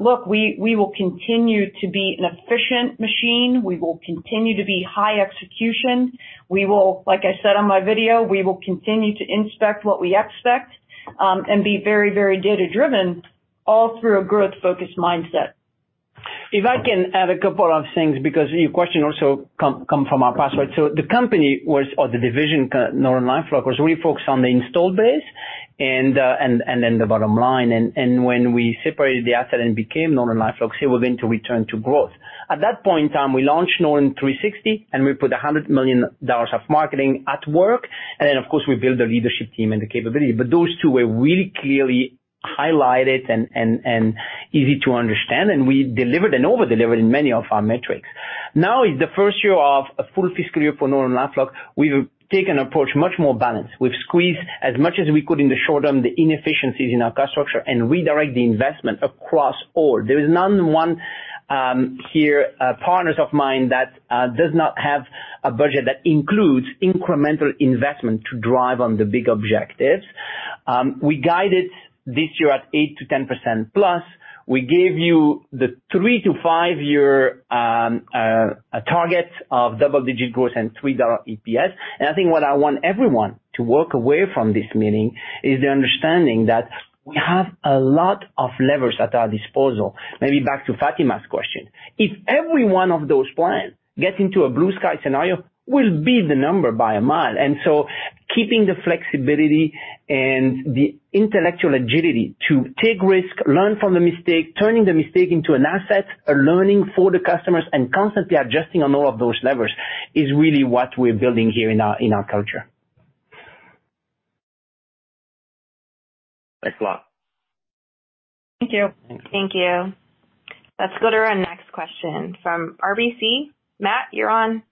Look, we will continue to be an efficient machine. We will continue to be high execution. We will, like I said on my video, we will continue to inspect what we expect, and be very data-driven, all through a growth-focused mindset. If I can add a couple of things, your question also come from our past. The company was, or the division, NortonLifeLock, was really focused on the installed base and then the bottom line. When we separated the asset and became NortonLifeLock, it was into return to growth. At that point in time, we launched Norton 360, and we put $100 million of marketing at work. Of course, we built the leadership team and the capability. Those two were really clearly highlighted and easy to understand, and we delivered and over-delivered in many of our metrics. Now is the first year of a full fiscal year for NortonLifeLock. We've taken an approach much more balanced. We've squeezed as much as we could in the short term, the inefficiencies in our cost structure, and redirect the investment across all. There is not one here, partners of mine, that does not have a budget that includes incremental investment to drive on the big objectives. We guided this year at 8%-10%+. We gave you the three to five year target of double-digit growth and $3 EPS. I think what I want everyone to walk away from this meeting is the understanding that we have a lot of levers at our disposal. Maybe back to Fatima's question. If every one of those plans gets into a blue sky scenario, we'll beat the number by a mile. So keeping the flexibility and the intellectual agility to take risk, learn from the mistake, turning the mistake into an asset, a learning for the customers, and constantly adjusting on all of those levers is really what we're building here in our culture. Thanks a lot. Thank you. Let's go to our next question from RBC. Matt, you're on.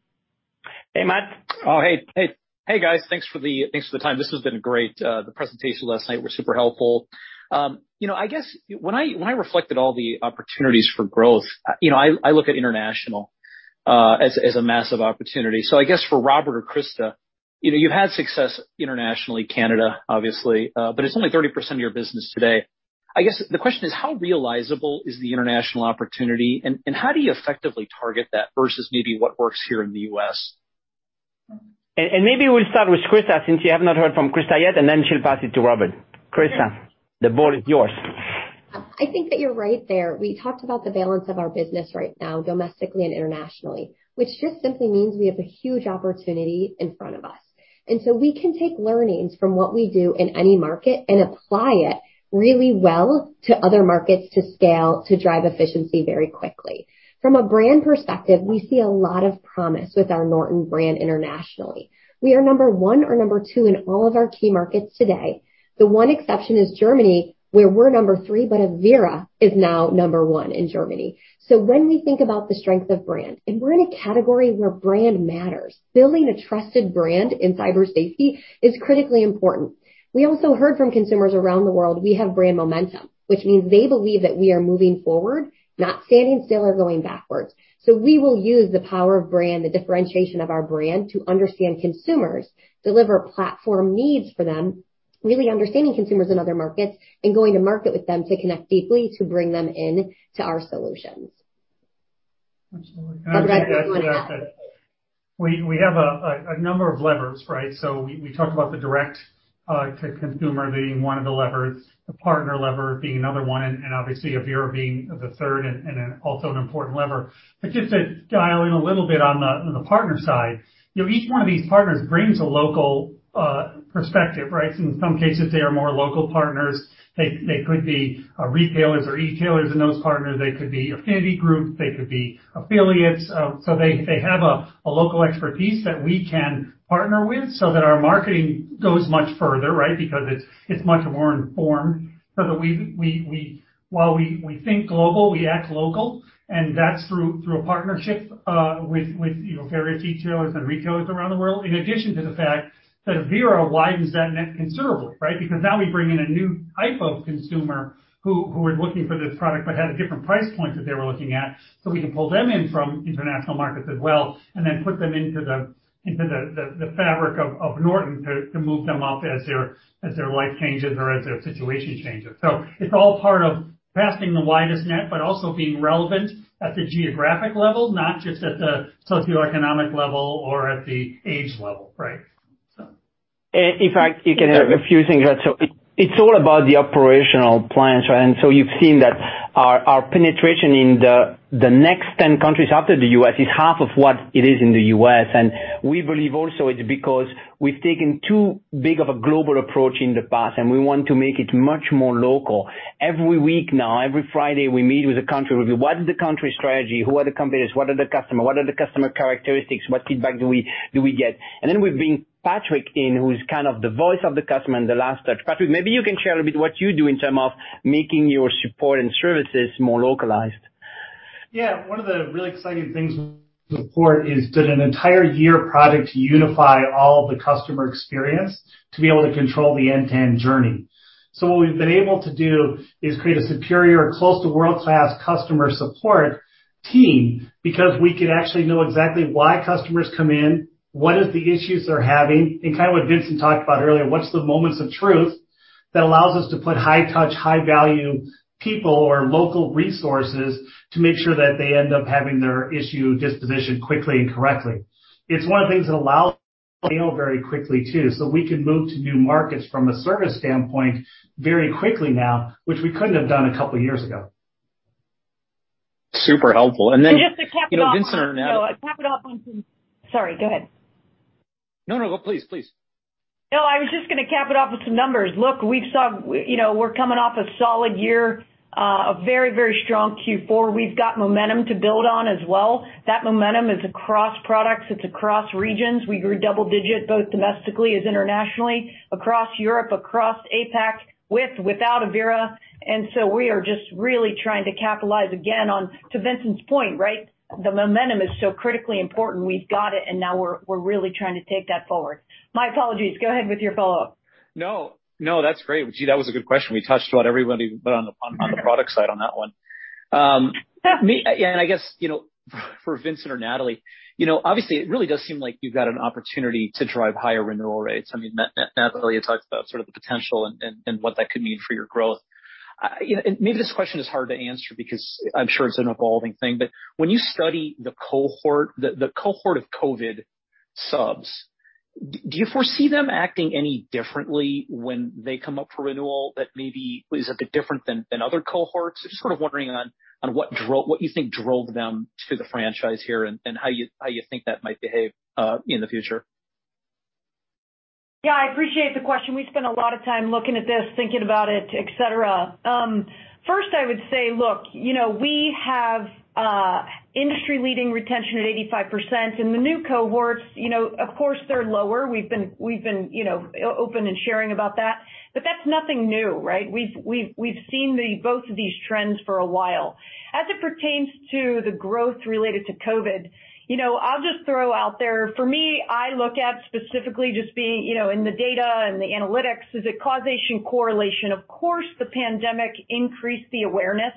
Hey, Matt. Oh, hey guys. Thanks for the time. This has been great. The presentation last night was super helpful. I guess, when I reflected all the opportunities for growth, I look at international as a massive opportunity. I guess for Robert or Krista, you've had success internationally, Canada, obviously, but it's only 30% of your business today. I guess the question is, how realizable is the international opportunity, and how do you effectively target that versus maybe what works here in the U.S.? Maybe we'll start with Krista, since you have not heard from Krista yet, and then she'll pass it to Robert. Krista, the ball is yours. I think that you're right there. We talked about the balance of our business right now, domestically and internationally, which just simply means we have a huge opportunity in front of us. We can take learnings from what we do in any market and apply it really well to other markets to scale, to drive efficiency very quickly. From a brand perspective, we see a lot of promise with our Norton brand internationally. We are number one or number two in all of our key markets today. The one exception is Germany, where we're number three, but Avira is now number one in Germany. When we think about the strength of brand, and we're in a category where brand matters, building a trusted brand in cyber safety is critically important. We also heard from consumers around the world. We have brand momentum, which means they believe that we are moving forward, not standing still or going backwards. We will use the power of brand, the differentiation of our brand, to understand consumers, deliver platform needs for them. Really understanding consumers in other markets and going to market with them to connect deeply to bring them in to our solutions. Absolutely. But I'd like to. We have a number of levers, right? We talked about the direct-to-consumer being one of the levers, the partner lever being another one, and obviously Avira being the third and then also an important lever. Just to dial in a little bit on the partner side, each one of these partners brings a local perspective, right? In some cases, they are more local partners. They could be retailers or e-tailers in those partners. They could be affinity group, they could be affiliates. They have a local expertise that we can partner with so that our marketing goes much further, right? Because it's much more informed so that while we think global, we act local, and that's through a partnership with various e-tailers and retailers around the world. In addition to the fact that Avira widens that net considerably, right? Now we bring in a new type of consumer who is looking for this product but has a different price point that they were looking at. We can pull them in from international markets as well, and then put them into the fabric of Norton to move them up as their life changes or as their situation changes. It's all part of casting the widest net, but also being relevant at the geographic level, not just at the socioeconomic level or at the age level, right? In fact, you can add a few things. It's all about the operational plans, right? You've seen that our penetration in the next 10 countries after the U.S. is half of what it is in the U.S. We believe also it's because we've taken too big of a global approach in the past, and we want to make it much more local. Every week now, every Friday, we meet with a country review. What is the country strategy? Who are the competitors? What are the customer characteristics? What feedback do we get? Then we bring Patrick in, who's kind of the voice of the customer and the last touch. Patrick, maybe you can share a bit what you do in terms of making your support and services more localized. Yeah. One of the really exciting things to report if that an entire year of product to unify all the customer experience to be able to control the end-to-end journey. What we've been able to do is create a superior close to world-class customer support team because we can actually know exactly why customers come in, what is the issues they're having, and kind of what Vincent talked about earlier, what's the moments of truth that allows us to put high touch, high value people or local resources to make sure that they end up having their issue dispositioned quickly and correctly. It's one of the things that allows scale very quickly, too. We can move to new markets from a service standpoint very quickly now, which we couldn't have done a couple of years ago. Super helpful. Vincent or Natalie. Just to cap it off. Sorry, go ahead. No, please. No, I was just going to cap it off with some numbers. Look, we're coming off a solid year, a very strong Q4. We've got momentum to build on as well. That momentum is across products. It's across regions. We grew double digit, both domestically as internationally, across Europe, across APAC, with, without Avira. We are just really trying to capitalize again on, to Vincent's point, right? The momentum is so critically important. We've got it, and now we're really trying to take that forward. My apologies. Go ahead with your follow-up. No, that's great. Gee, that was a good question. We touched on everybody but on the product side on that one. Yeah. I guess, for Vincent or Natalie, obviously it really does seem like you've got an opportunity to drive higher renewal rates. Natalie had talked about sort of the potential and what that could mean for your growth. Maybe this question is hard to answer because I'm sure it's an evolving thing, When you study the cohort of COVID subs, do you foresee them acting any differently when they come up for renewal that maybe is a bit different than other cohorts? Just sort of wondering on what you think drove them to the franchise here and how you think that might behave in the future. Yeah, I appreciate the question. We spent a lot of time looking at this, thinking about it, et cetera. First, I would say, look, we have industry-leading retention at 85%, and the new cohorts, of course, they're lower. We've been open and sharing about that. That's nothing new, right? We've seen both of these trends for a while. As it pertains to the growth related to COVID, I'll just throw out there, for me, I look at specifically just being in the data and the analytics. Is it causation, correlation? Of course, the pandemic increased the awareness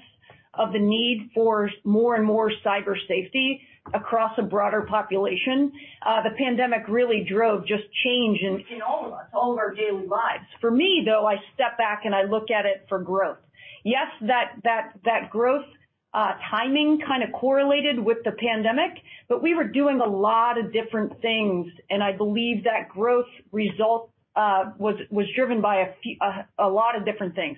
of the need for more and more cyber safety across a broader population. The pandemic really drove just change in all of us, all of our daily lives. For me, though, I step back, and I look at it for growth. That growth timing kind of correlated with the pandemic, but we were doing a lot of different things, and I believe that growth result was driven by a lot of different things.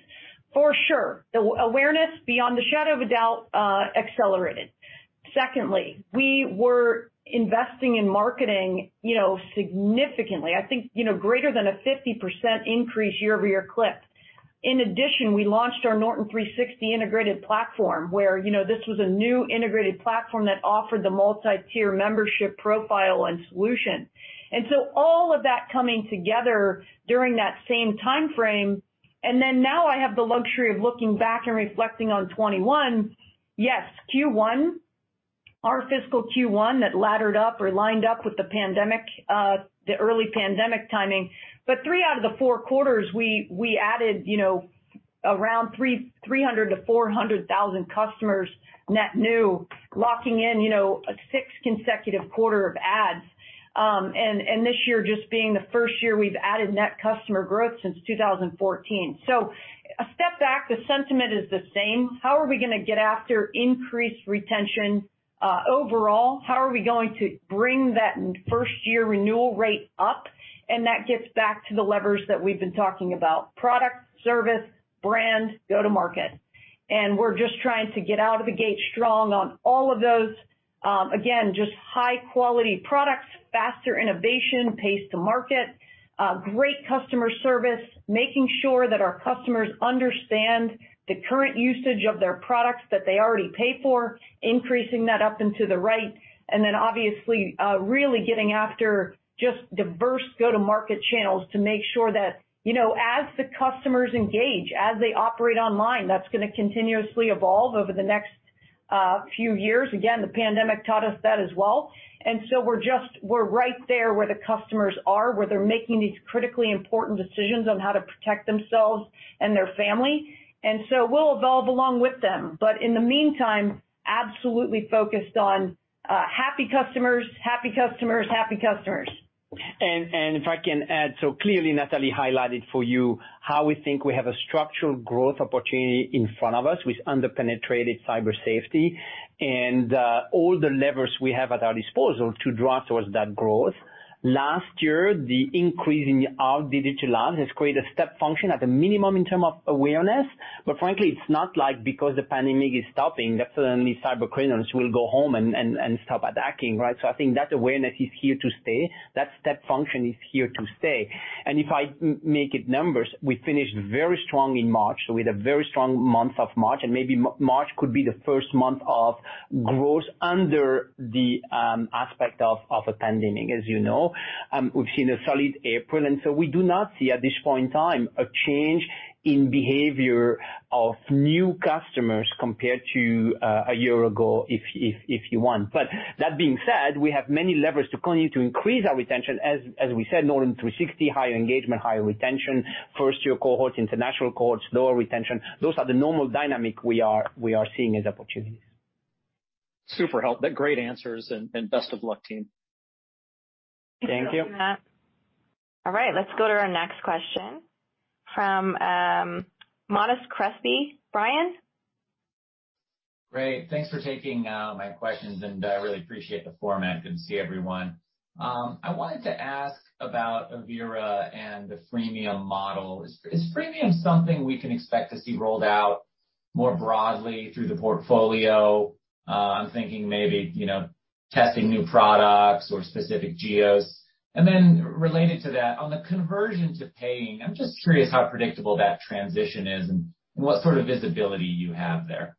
For sure, the awareness, beyond the shadow of a doubt, accelerated. Secondly, we were investing in marketing significantly. I think, greater than a 50% increase year-over-year clip. In addition, we launched our Norton 360 integrated platform, where this was a new integrated platform that offered the multi-tier membership profile and solution. All of that coming together during that same timeframe, and then now I have the luxury of looking back and reflecting on 2021. Q1, our fiscal Q1 that laddered up or lined up with the early pandemic timing. Three out of the four quarters, we added around 300,000-400,000 customers net new, locking in a sixth consecutive quarter of adds. This year just being the first year we've added net customer growth since 2014. A step back, the sentiment is the same. How are we going to get after increased retention? Overall, how are we going to bring that first-year renewal rate up? That gets back to the levers that we've been talking about, product, service, brand, go to market. We're just trying to get out of the gate strong on all of those. Again, just high-quality products, faster innovation, pace to market, great customer service, making sure that our customers understand the current usage of their products that they already pay for, increasing that up and to the right. Obviously, really getting after just diverse go-to-market channels to make sure that as the customers engage, as they operate online, that's going to continuously evolve over the next few years. Again, the pandemic taught us that as well. We're right there where the customers are, where they're making these critically important decisions on how to protect themselves and their family. We'll evolve along with them. In the meantime, absolutely focused on happy customers. If I can add, so clearly Natalie highlighted for you how we think we have a structural growth opportunity in front of us with under-penetrated cyber safety, and all the levers we have at our disposal to drive towards that growth. Last year, the increase in our digital ads has created a step function at a minimum in terms of awareness. Frankly, it's not like because the pandemic is stopping, that suddenly cyber criminals will go home and stop attacking, right. I think that awareness is here to stay. That step function is here to stay. If I make it numbers, we finished very strong in March, we had a very strong month of March, and maybe March could be the first month of growth under the aspect of a pandemic, as you know. We've seen a solid April, we do not see at this point in time a change in behavior of new customers compared to a year ago, if you want. That being said, we have many levers to continue to increase our retention. As we said, Norton 360, higher engagement, higher retention, first-year cohorts, international cohorts, lower retention. Those are the normal dynamic we are seeing as opportunities. Super help. Great answers, and best of luck, team. Thank you. Thank you. All right. Let's go to our next question from Monness Crespi. Ryan? Great. Thanks for taking my questions, and I really appreciate the format. Good to see everyone. I wanted to ask about Avira and the freemium model. Is freemium something we can expect to see rolled out more broadly through the portfolio? I'm thinking maybe testing new products or specific geos. Related to that, on the conversion to paying, I'm just curious how predictable that transition is and what sort of visibility you have there.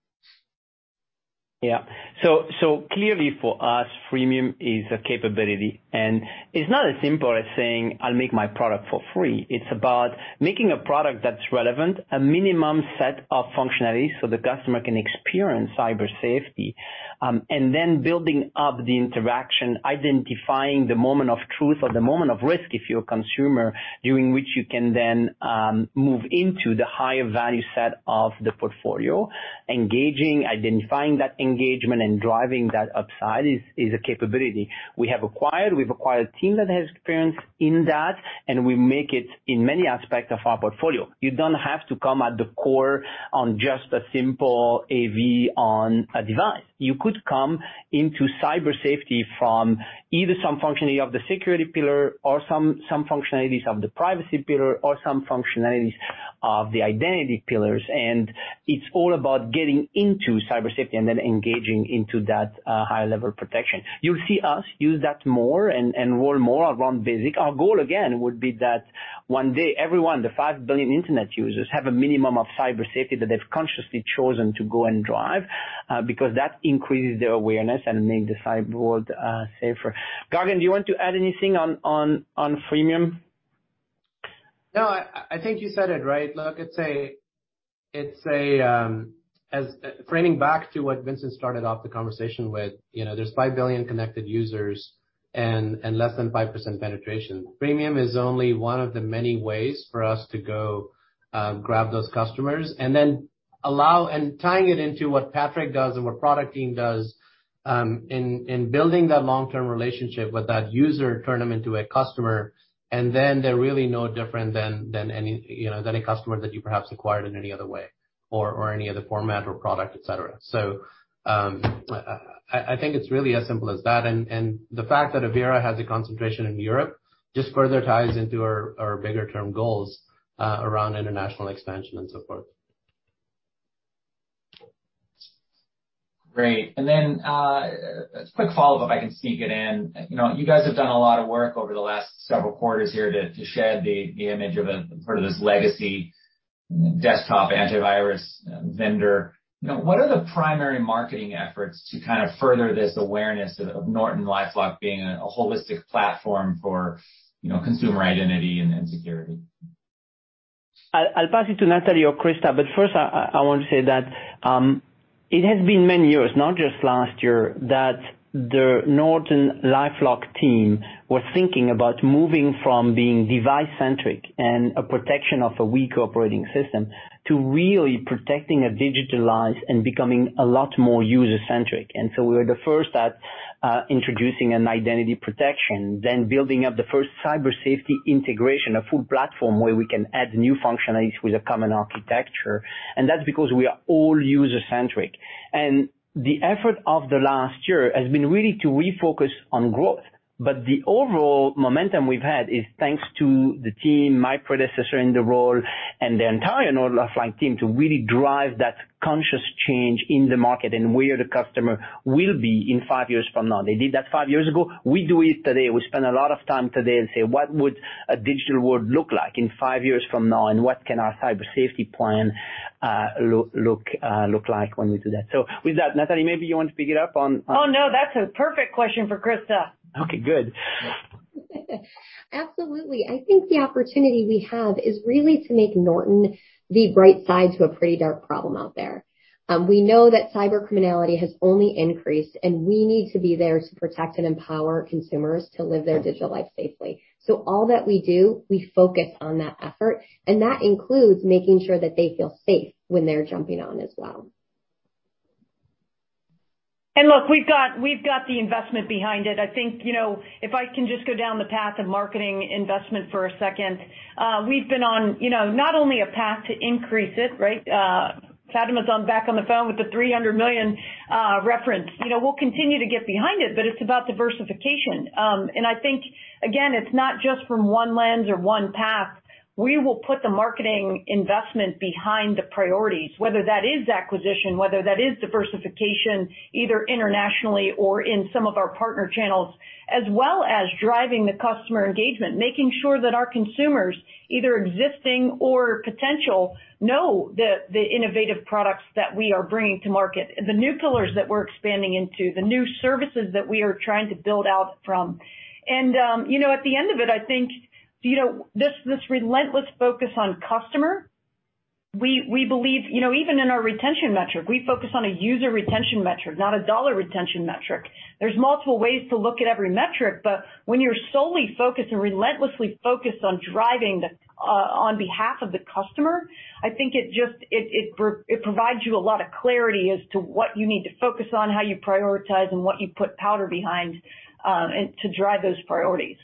Clearly for us, freemium is a capability, and it's not as simple as saying, "I'll make my product for free." It's about making a product that's relevant, a minimum set of functionalities so the customer can experience cyber safety. Then building up the interaction, identifying the moment of truth or the moment of risk if you're a consumer, during which you can then move into the higher value set of the portfolio. Engaging, identifying that engagement, and driving that upside is a capability. We have acquired a team that has experience in that, and we make it in many aspects of our portfolio. You don't have to come at the core on just a simple AV on a device. You could come into cyber safety from either some functionality of the security pillar or some functionalities of the privacy pillar or some functionalities of the identity pillars, and it's all about getting into cyber safety and then engaging into that higher-level protection. You'll see us use that more and roll more around basic. Our goal, again, would be that one day, everyone, the 5 billion internet users, have a minimum of cyber safety that they've consciously chosen to go and drive, because that increases their awareness and makes the cyber world safer. Gagan, do you want to add anything on freemium? No, I think you said it right. Look, framing back to what Vincent started off the conversation with, there's 5 billion connected users and less than 5% penetration. Freemium is only one of the many ways for us to go grab those customers, and tying it into what Patrick does and what product team does in building that long-term relationship with that user, turn them into a customer, and then they're really no different than any customer that you perhaps acquired in any other way or any other format or product, et cetera. I think it's really as simple as that, and the fact that Avira has a concentration in Europe just further ties into our bigger term goals around international expansion and so forth. Great. Then a quick follow-up, if I can sneak it in. You guys have done a lot of work over the last several quarters here to shed the image of sort of this legacy desktop antivirus vendor. What are the primary marketing efforts to kind of further this awareness of NortonLifeLock being a holistic platform for consumer identity and security? I'll pass it to Natalie or Krista. First, I want to say it has been many years, not just last year, that the NortonLifeLock team was thinking about moving from being device-centric and a protection of a weak operating system to really protecting a digital life and becoming a lot more user-centric. We were the first at introducing an identity protection, then building up the first cyber safety integration, a full platform where we can add new functionalities with a common architecture. That's because we are all user-centric. The overall momentum we've had is thanks to the team, my predecessor in the role, and the entire NortonLifeLock team to really drive that conscious change in the market and where the customer will be in five years from now. They did that five years ago. We do it today. We spend a lot of time today and say, "What would a digital world look like in five years from now? And what can our cyber safety plan look like when we do that?" With that, Natalie, maybe you want to pick it up. Oh, no, that's a perfect question for Krista. Okay, good. Absolutely. I think the opportunity we have is really to make Norton the bright side to a pretty dark problem out there. We know that cyber criminality has only increased, and we need to be there to protect and empower consumers to live their digital life safely. All that we do, we focus on that effort, and that includes making sure that they feel safe when they're jumping on as well. Look, we've got the investment behind it. I think, if I can just go down the path of marketing investment for a second. We've been on not only a path to increase it, right? Fatima's back on the phone with the $300 million reference. We'll continue to get behind it, but it's about diversification. I think, again, it's not just from one lens or one path. We will put the marketing investment behind the priorities, whether that is acquisition, whether that is diversification, either internationally or in some of our partner channels, as well as driving the customer engagement. Making sure that our consumers, either existing or potential, know the innovative products that we are bringing to market, the new pillars that we're expanding into, the new services that we are trying to build out from. At the end of it, I think, this relentless focus on customer. We believe, even in our retention metric, we focus on a user retention metric, not a dollar retention metric. There's multiple ways to look at every metric, when you're solely focused and relentlessly focused on behalf of the customer, I think it provides you a lot of clarity as to what you need to focus on, how you prioritize, and what you put powder behind to drive those priorities.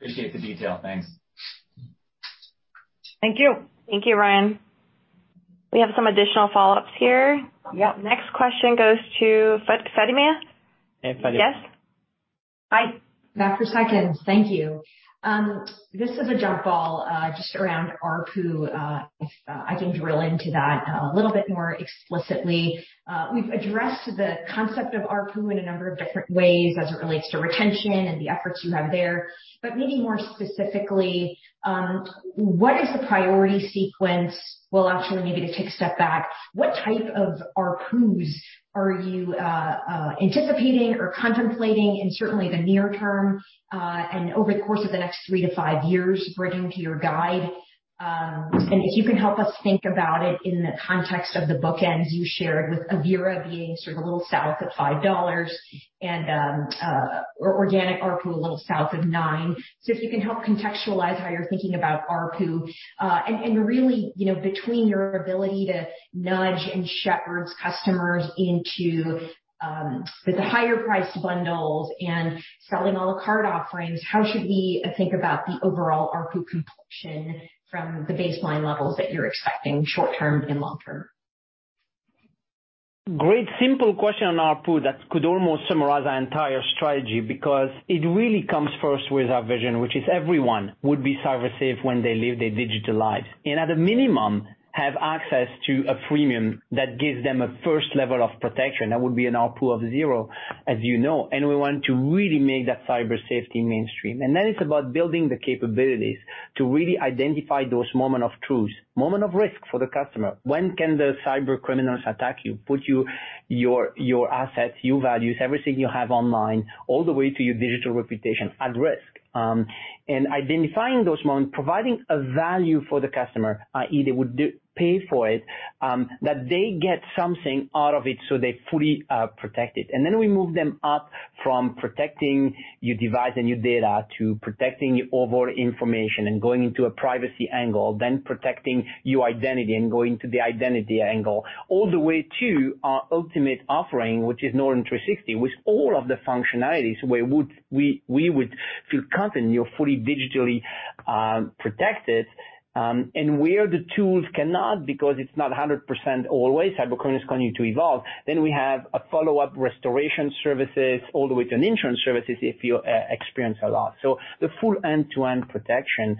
Appreciate the detail. Thanks. Thank you. Thank you, Ryan. We have some additional follow-ups here. Yep. Next question goes to Fatima. Hey, Fatima. Yes? Hi. Back for seconds. Thank you. This is a jump ball, just around ARPU, if I can drill into that a little bit more explicitly. We've addressed the concept of ARPU in a number of different ways as it relates to retention and the efforts you have there. Maybe more specifically, what is the priority sequence? Well, actually, maybe to take a step back, what type of ARPUs are you anticipating or contemplating in certainly the near term, and over the course of the next three to five years bringing to your guide? If you can help us think about it in the context of the bookends you shared with Avira being sort of a little south of $5 and organic ARPU a little south of nine. If you can help contextualize how you're thinking about ARPU, and really, between your ability to nudge and shepherd customers into the higher priced bundles and selling a la carte offerings, how should we think about the overall ARPU complexion from the baseline levels that you're expecting short-term and long-term? Great simple question on ARPU that could almost summarize our entire strategy because it really comes first with our vision, which is everyone would be cyber safe when they live their digital lives. At a minimum, have access to a freemium that gives them a first level of protection. That would be an ARPU of zero, as you know. We want to really make that cyber safety mainstream. That is about building the capabilities to really identify those moment of truths, moment of risk for the customer. When can the cybercriminals attack you, put your assets, your values, everything you have online, all the way to your digital reputation at risk? Identifying those moments, providing a value for the customer, i.e., they would pay for it, that they get something out of it, so they're fully protected. We move them up from protecting your device and your data to protecting your overall information and going into a privacy angle, then protecting your identity and going to the identity angle, all the way to our ultimate offering, which is Norton 360, with all of the functionalities where we would feel confident you're fully digitally protected. Where the tools cannot because it's not 100% always, cybercriminals continue to evolve, then we have a follow-up restoration services all the way to an insurance services if you experience a loss. The full end-to-end protection.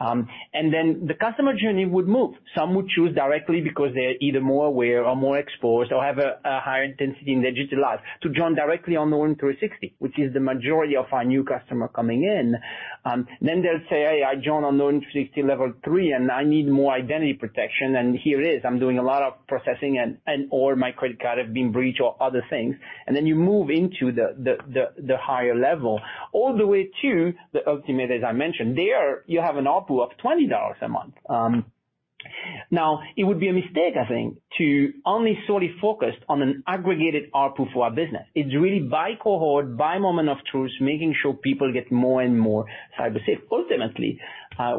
The customer journey would move. Some would choose directly because they're either more aware or more exposed or have a higher intensity in digital life to join directly on Norton 360, which is the majority of our new customer coming in. They'll say, "Hey, I joined on Norton 360 level 3, and I need more identity protection, and here it is. I'm doing a lot of processing and/or my credit card has been breached or other things." You move into the higher level, all the way to the ultimate, as I mentioned. There, you have an ARPU of $20 a month. Okay. It would be a mistake, I think, to only solely focus on an aggregated ARPU for our business. It's really by cohort, by moment of truth, making sure people get more and more cyber safe. Ultimately,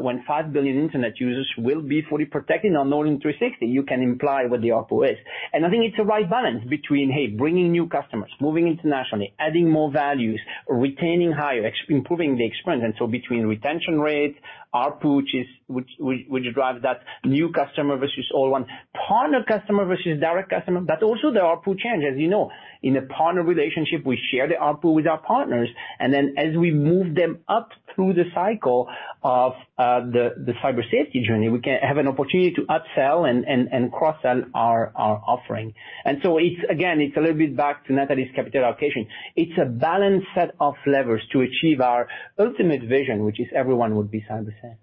when 5 billion internet users will be fully protected on Norton 360, you can imply what the ARPU is. I think it's the right balance between, hey, bringing new customers, moving internationally, adding more values, retaining higher, improving the experience. Between retention rates, ARPU, which drives that new customer versus old one, partner customer versus direct customer. Also the ARPU change. As you know, in a partner relationship, we share the ARPU with our partners, then as we move them up through the cycle of the cyber safety journey, we can have an opportunity to upsell and cross-sell our offering. Again, it's a little bit back to Natalie's capital allocation. It's a balanced set of levers to achieve our ultimate vision, which is everyone would be cyber safe.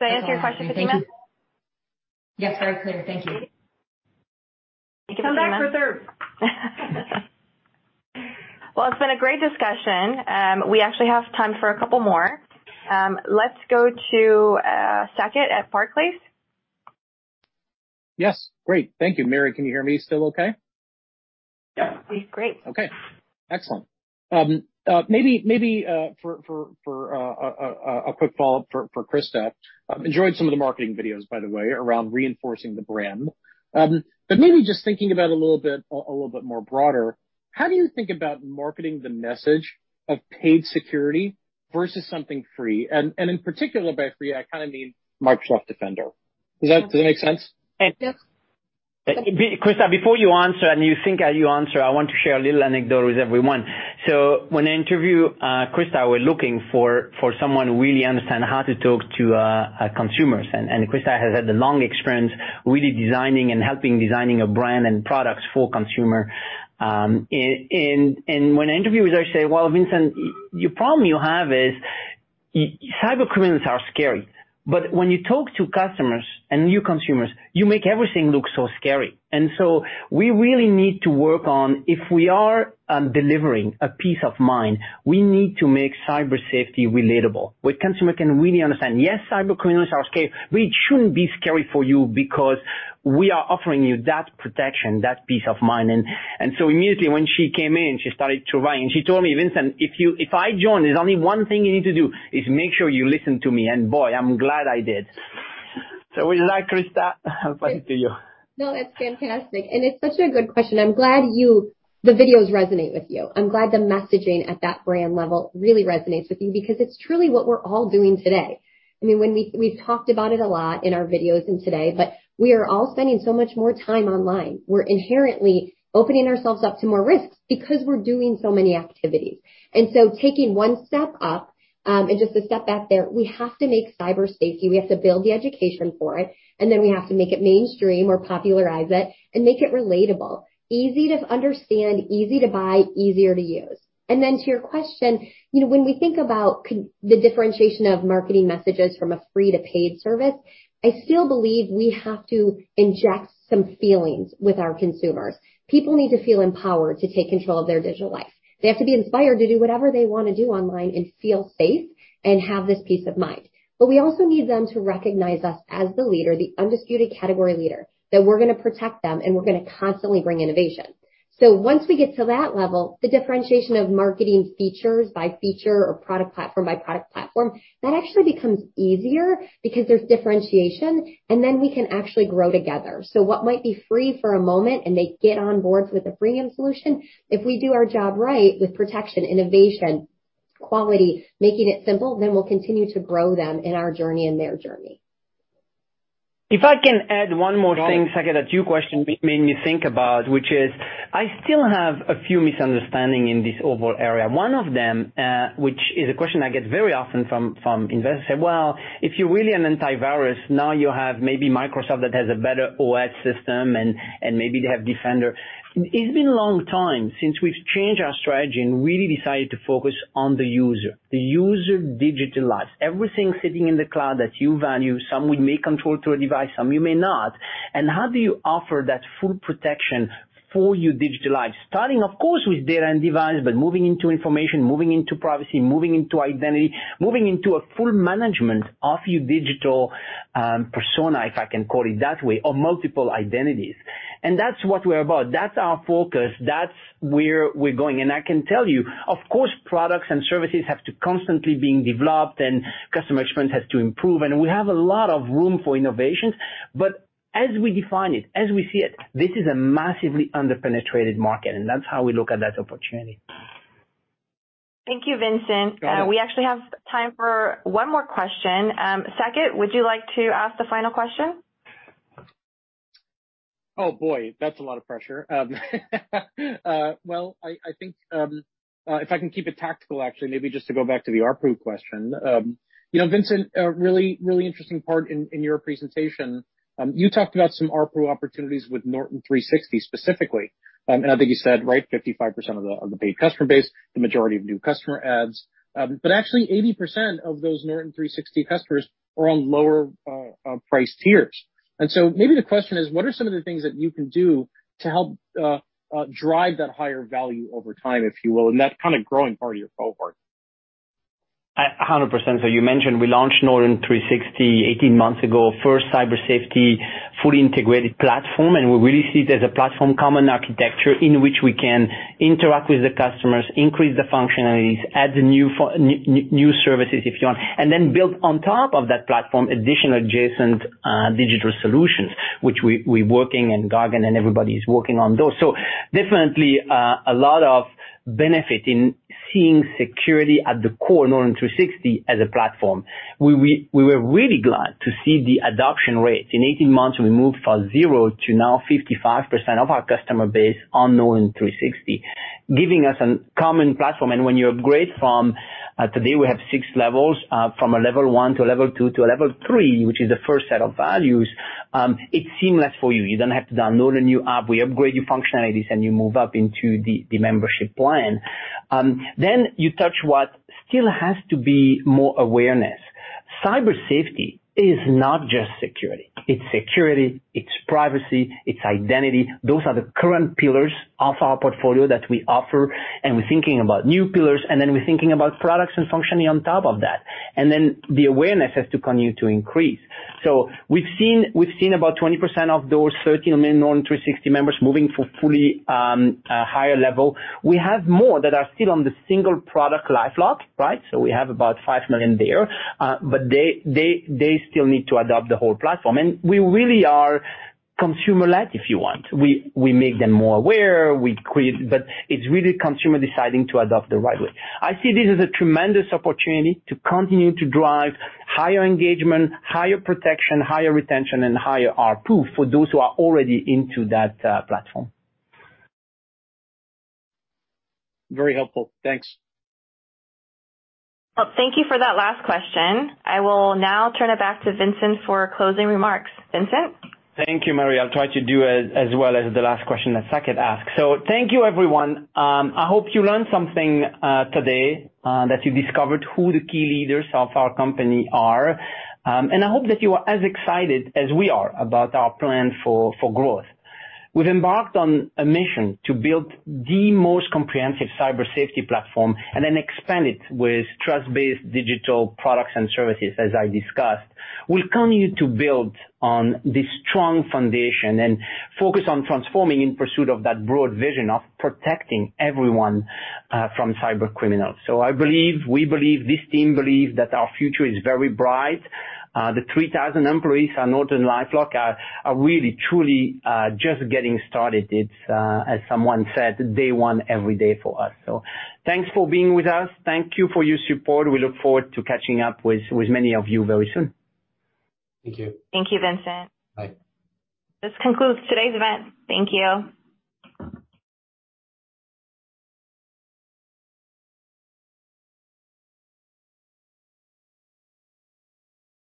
Does that answer your question, Fatima? Yes, very clear. Thank you. Thank you, Fatima. Come back for thirds. Well, it's been a great discussion. We actually have time for a couple more. Let's go to Saket at Barclays. Yes. Great. Thank you. Mary, can you hear me still okay? Yeah. Great. Okay. Excellent. Maybe for a quick follow-up for Krista. Enjoyed some of the marketing videos, by the way, around reinforcing the brand. Maybe just thinking about a little bit more broader, how do you think about marketing the message of paid security versus something free? In particular, by free, I kind of mean Microsoft Defender. Does that make sense? Yes. Krista, before you answer, and you think as you answer, I want to share a little anecdote with everyone. When I interview Krista, we're looking for someone who really understand how to talk to consumers. Krista has had the long experience really designing and helping designing a brand and products for consumer. When I interview with her, she say, "Well, Vincent, your problem you have is cyber criminals are scary. When you talk to customers and new consumers, you make everything look so scary." We really need to work on if we are delivering a peace of mind, we need to make cyber safety relatable, where consumer can really understand, yes, cyber criminals are scary, but it shouldn't be scary for you because we are offering you that protection, that peace of mind. Immediately when she came in, she started to write, and she told me, "Vincent, if I join, there's only one thing you need to do, is make sure you listen to me." Boy, I'm glad I did. With that, Krista, I'll pass it to you. No, that's fantastic, and it's such a good question. I'm glad the videos resonate with you. I'm glad the messaging at that brand level really resonates with you because it's truly what we're all doing today. We've talked about it a lot in our videos and today. We are all spending so much more time online. We're inherently opening ourselves up to more risks because we're doing so many activities. Taking one step up, and just to step back there, we have to make cyber safety, we have to build the education for it. We have to make it mainstream or popularize it and make it relatable, easy to understand, easy to buy, easier to use. Then to your question, when we think about the differentiation of marketing messages from a free to paid service, I still believe we have to inject some feelings with our consumers. People need to feel empowered to take control of their digital life. They have to be inspired to do whatever they want to do online and feel safe and have this peace of mind. We also need them to recognize us as the leader, the undisputed category leader, that we're going to protect them, and we're going to constantly bring innovation. Once we get to that level, the differentiation of marketing features by feature or product platform by product platform, that actually becomes easier because there's differentiation, and then we can actually grow together. What might be free for a moment, and they get on board with a premium solution, if we do our job right with protection, innovation, quality, making it simple, then we'll continue to grow them in our journey and their journey. If I can add one more thing, Saket, that your question made me think about, which is I still have a few misunderstanding in this overall area. One of them, which is a question I get very often from investors, say, "Well, if you're really an antivirus, now you have maybe Microsoft that has a better OS system and maybe they have Defender." It's been a long time since we've changed our strategy and really decided to focus on the user, the user digital lives. Everything sitting in the cloud that you value, some we may control through a device, some we may not. How do you offer that full protection for your digital life? Starting, of course, with data and device, but moving into information, moving into privacy, moving into identity, moving into a full management of your digital persona, if I can call it that way, or multiple identities. That's what we're about. That's our focus. That's where we're going. I can tell you, of course, products and services have to constantly being developed and customer experience has to improve, and we have a lot of room for innovations. But as we define it, as we see it, this is a massively under-penetrated market, and that's how we look at that opportunity. Thank you, Vincent. We actually have time for one more question. Saket, would you like to ask the final question? Oh, boy. That's a lot of pressure. Well, I think, if I can keep it tactical, actually, maybe just to go back to the ARPU question. Vincent, a really interesting part in your presentation, you talked about some ARPU opportunities with Norton 360 specifically. I think you said, right, 55% of the paid customer base, the majority of new customer adds. Actually, 80% of those Norton 360 customers are on lower price tiers. Maybe the question is, what are some of the things that you can do to help drive that higher value over time, if you will, in that kind of growing part of your cohort? 100%. You mentioned we launched Norton 360 18 months ago, first cyber safety, fully integrated platform, and we really see it as a platform, common architecture in which we can interact with the customers, increase the functionalities, add the new services, if you want, and then build on top of that platform additional adjacent digital solutions, which we're working, and Gagan and everybody is working on those. Definitely, a lot of benefit in seeing security at the core, Norton 360 as a platform. We were really glad to see the adoption rate. In 18 months, we moved from zero to now 55% of our customer base on Norton 360, giving us a common platform. When you upgrade from, today we have six levels, from a Level 1 to a Level 2 to a Level 3, which is the first set of values, it's seamless for you. You don't have to download a new app. We upgrade your functionalities. You move up into the membership plan. You touch what still has to be more awareness. Cyber safety is not just security. It's security, it's privacy, it's identity. Those are the current pillars of our portfolio that we offer. We're thinking about new pillars. We're thinking about products and functioning on top of that. The awareness has to continue to increase. We've seen about 20% of those 13 million Norton 360 members moving for fully higher level. We have more that are still on the single product LifeLock, right? We have about five million there. They still need to adopt the whole platform. We really are consumer-led, if you want. We make them more aware. It's really consumer deciding to adopt the right way. I see this as a tremendous opportunity to continue to drive higher engagement, higher protection, higher retention, and higher ARPU for those who are already into that platform. Very helpful. Thanks. Well, thank you for that last question. I will now turn it back to Vincent for closing remarks. Vincent? Thank you, Mary. I'll try to do as well as the last question that Saket asked. Thank you, everyone. I hope you learned something today, that you discovered who the key leaders of our company are, and I hope that you are as excited as we are about our plan for growth. We've embarked on a mission to build the most comprehensive cyber safety platform and then expand it with trust-based digital products and services, as I discussed. We'll continue to build on this strong foundation and focus on transforming in pursuit of that broad vision of protecting everyone from cyber criminals. I believe, we believe, this team believes that our future is very bright. The 3,000 employees at NortonLifeLock are really, truly, just getting started. It's, as someone said, day one every day for us. Thanks for being with us. Thank you for your support. We look forward to catching up with many of you very soon. Thank you. Thank you, Vincent. This concludes today's event. Thank you.